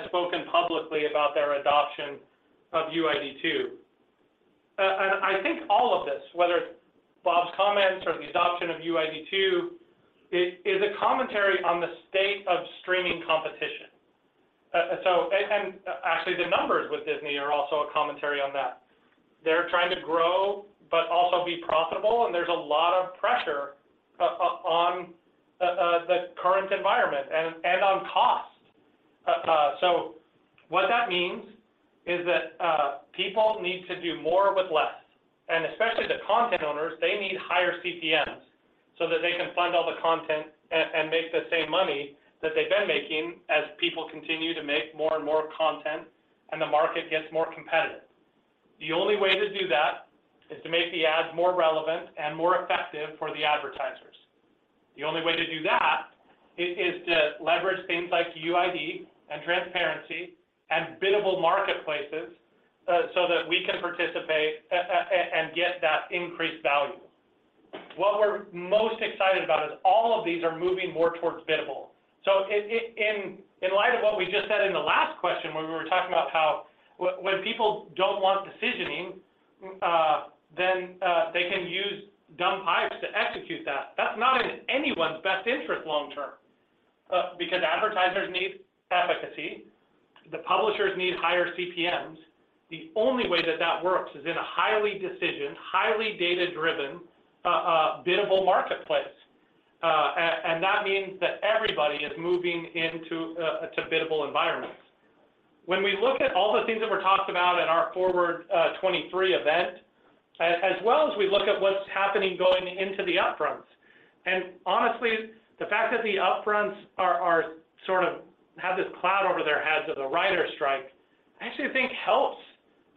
spoken publicly about their adoption of UID2. I think all of this, whether it's Bob's comments or the adoption of UID2, is a commentary on the state of streaming competition. Actually the numbers with Disney are also a commentary on that. They're trying to grow but also be profitable. There's a lot of pressure on the current environment and on cost. What that means is that people need to do more with less. Especially the content owners, they need higher CPMs so that they can fund all the content and make the same money that they've been making as people continue to make more and more content and the market gets more competitive. The only way to do that is to make the ads more relevant and more effective for the advertiser. The only way to do that is to leverage things like UID2 and transparency and biddable marketplaces so that we can participate and get that increased value. What we're most excited about is all of these are moving more towards biddable. In light of what we just said in the last question, when we were talking about how when people don't want decisioning, then they can use dumb pipes to execute that. That's not in anyone's best interest long term, because advertisers need efficacy, the publishers need higher CPMs. The only way that that works is in a highly decision, highly data-driven, biddable marketplace. That means that everybody is moving into to biddable environments. When we look at all the things that were talked about at our Forward '23 event, as well as we look at what's happening going into the upfronts, honestly, the fact that the upfronts are sort of have this cloud over their heads with the writers' strike, I actually think helps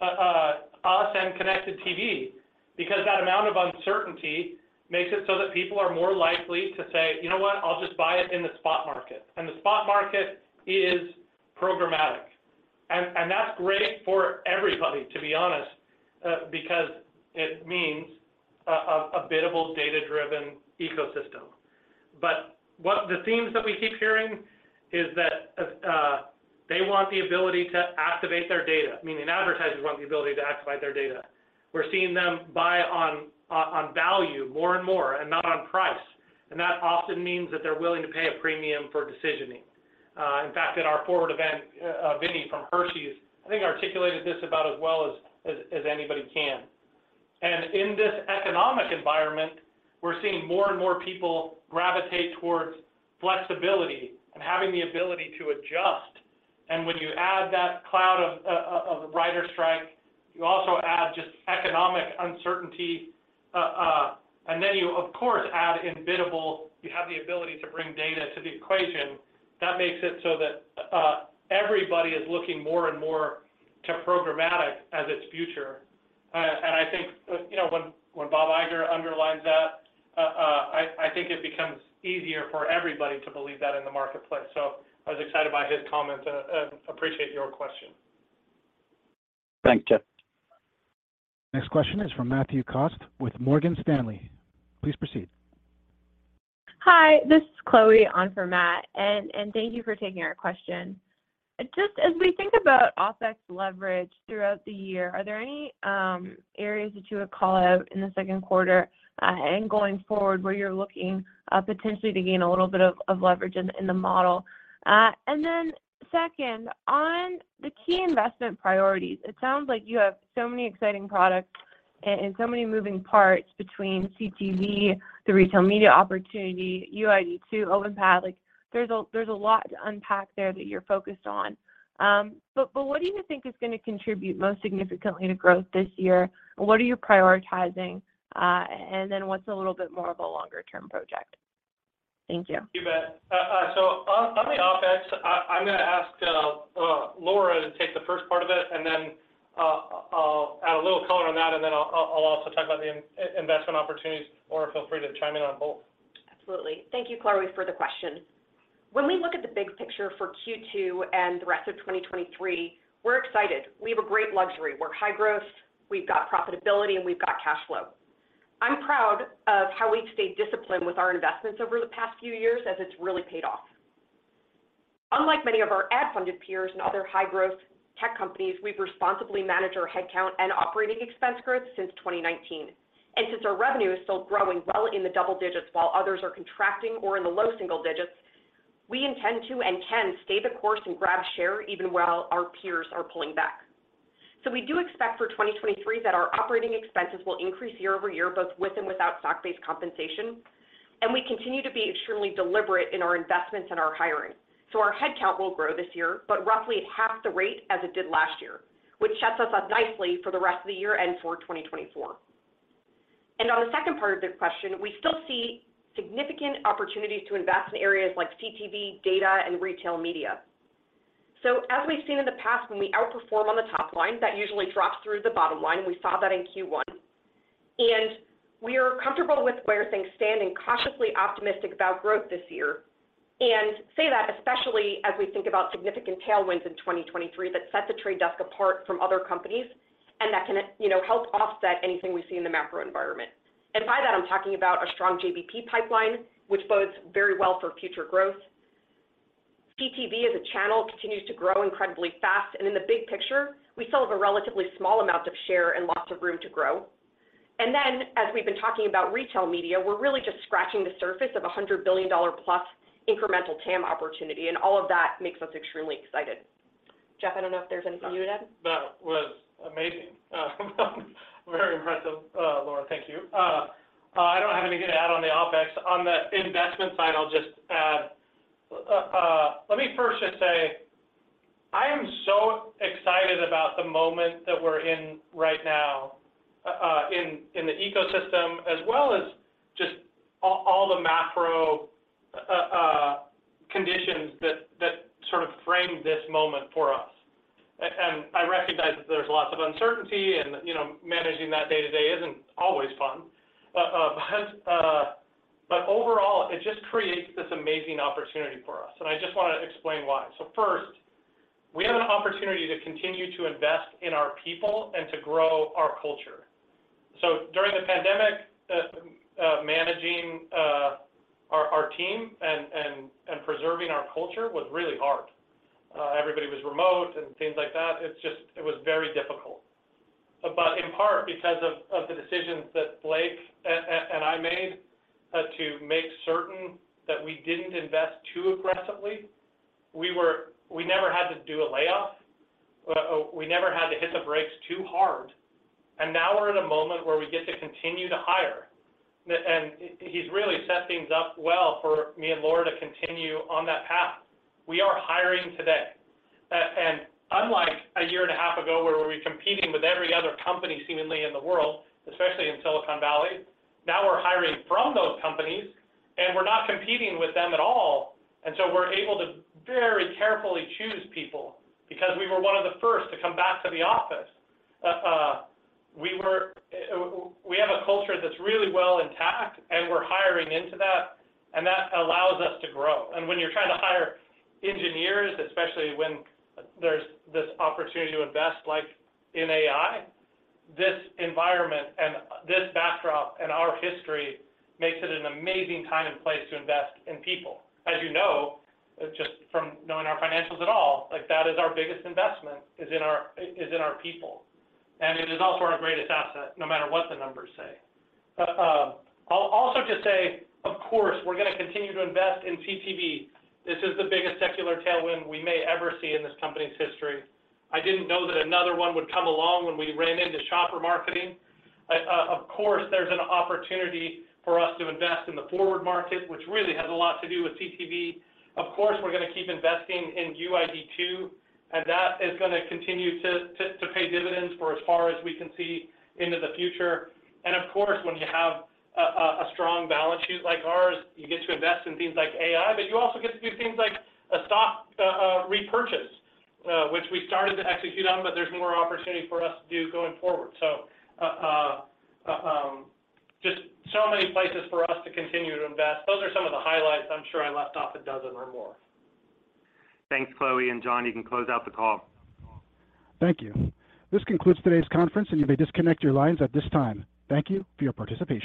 us and Connected TV because that amount of uncertainty makes it so that people are more likely to say, "You know what? I'll just buy it in the spot market." The spot market is programmatic. That's great for everybody, to be honest, because it means a biddable data-driven ecosystem. The themes that we keep hearing is that they want the ability to activate their data, meaning advertisers want the ability to activate their data. We're seeing them buy on value more and more and not on price, that often means that they're willing to pay a premium for decisioning. In fact, at our Forward event, Vinnie from Hershey's I think articulated this about as well as anybody can. In this economic environment, we're seeing more and more people gravitate towards flexibility and having the ability to adjust. When you add that cloud of writers' strike, you also add just economic uncertainty. You of course add in biddable, you have the ability to bring data to the equation. That makes it so that everybody is looking more and more to programmatic as its future. I think, when Bob Iger underlines that, I think it becomes easier for everybody to believe that in the marketplace. I was excited by his comments and appreciate your question. Thank you. Next question is from Matthew Cost with Morgan Stanley. Please proceed. Hi, this is Chloe on for Matt, and thank you for taking our question. Just as we think about OpEx leverage throughout the year, are there any areas that you would call out in the second quarter and going forward where you're looking potentially to gain a little bit of leverage in the model? Second, on the key investment priorities, it sounds like you have so many exciting products and so many moving parts between CTV, the retail media opportunity, UID2, OpenPath. Like, there's a lot to unpack there that you're focused on. But what do you think is gonna contribute most significantly to growth this year? What are you prioritizing? What's a little bit more of a longer-term project? Thank you. You bet. On the OpEx, I'm gonna ask Laura to take the first part of it, and then, I'll add a little color on that, and then I'll also talk about the in-investment opportunities, or feel free to chime in on both. Absolutely. Thank you, Chloe, for the question. When we look at the big picture for Q2 and the rest of 2023, we're excited. We have a great luxury. We're high growth, we've got profitability, and we've got cash flow. I'm proud of how we've stayed disciplined with our investments over the past few years, as it's really paid off. Unlike many of our ad-funded peers and other high-growth tech companies, we've responsibly managed our headcount and operating expense growth since 2019. Since our revenue is still growing well in the double digits while others are contracting or in the low single digits, we intend to and can stay the course and grab share even while our peers are pulling back. We do expect for 2023 that our operating expenses will increase year-over-year, both with and without stock-based compensation, and we continue to be extremely deliberate in our investments and our hiring. Our headcount will grow this year, but roughly at half the rate as it did last year, which sets us up nicely for the rest of the year and for 2024. On the second part of the question, we still see significant opportunities to invest in areas like CTV, data, and retail media. As we've seen in the past, when we outperform on the top line, that usually drops through to the bottom line. We saw that in Q1. We are comfortable with where things stand and cautiously optimistic about growth this year, say that especially as we think about significant tailwinds in 2023 that set The Trade Desk apart from other companies and that can help offset anything we see in the macro environment. By that, I'm talking about a strong JBP pipeline, which bodes very well for future growth. CTV as a channel continues to grow incredibly fast, and in the big picture, we still have a relatively small amount of share and lots of room to grow. Then, as we've been talking about retail media, we're really just scratching the surface of a $100 billion+ incremental TAM opportunity, and all of that makes us extremely excited. Jeff, I don't know if there's anything you would add. That was amazing. Very impressive, Laura. Thank you. I don't have anything to add on the OpEx. On the investment side, I'll just add. Let me first just say, I am so excited about the moment that we're in right now, in the ecosystem, as well as just all the macro that sort of framed this moment for us. And I recognize that there's lots of uncertainty and managing that day-to-day isn't always fun. But overall, it just creates this amazing opportunity for us, and I just want to explain why. First, we have an opportunity to continue to invest in our people and to grow our culture. During the pandemic, managing our team and preserving our culture was really hard. Everybody was remote and things like that. It's just, it was very difficult. In part, because of the decisions that Blake and I made to make certain that we didn't invest too aggressively, we never had to do a layoff. We never had to hit the brakes too hard. Now we're in a moment where we get to continue to hire. He's really set things up well for me and Laura to continue on that path. We are hiring today. Unlike a year and a half ago, where we were competing with every other company seemingly in the world, especially in Silicon Valley, now we're hiring from those companies, and we're not competing with them at all. So we're able to very carefully choose people because we were one of the first to come back to the office. We have a culture that's really well intact, and we're hiring into that, and that allows us to grow. When you're trying to hire engineers, especially when there's this opportunity to invest, like in AI, this environment and this backdrop and our history makes it an amazing time and place to invest in people. As just from knowing our financials at all, like that is our biggest investment is in our people. It is also our greatest asset, no matter what the numbers say. I'll also just say, of course, we're gonna continue to invest in CTV. This is the biggest secular tailwind we may ever see in this company's history. I didn't know that another one would come along when we ran into shopper marketing. Of course, there's an opportunity for us to invest in the forward market, which really has a lot to do with CTV. Of course, we're gonna keep investing in UID2. That is gonna continue to pay dividends for as far as we can see into the future. Of course, when you have a strong balance sheet like ours, you get to invest in things like AI, but you also get to do things like a stock repurchase, which we started to execute on, but there's more opportunity for us to do going forward. Just so many places for us to continue to invest. Those are some of the highlights. I'm sure I left off a dozen or more. Thanks, Chloe and John. You can close out the call. Thank you. This concludes today's conference. You may disconnect your lines at this time. Thank you for your participation.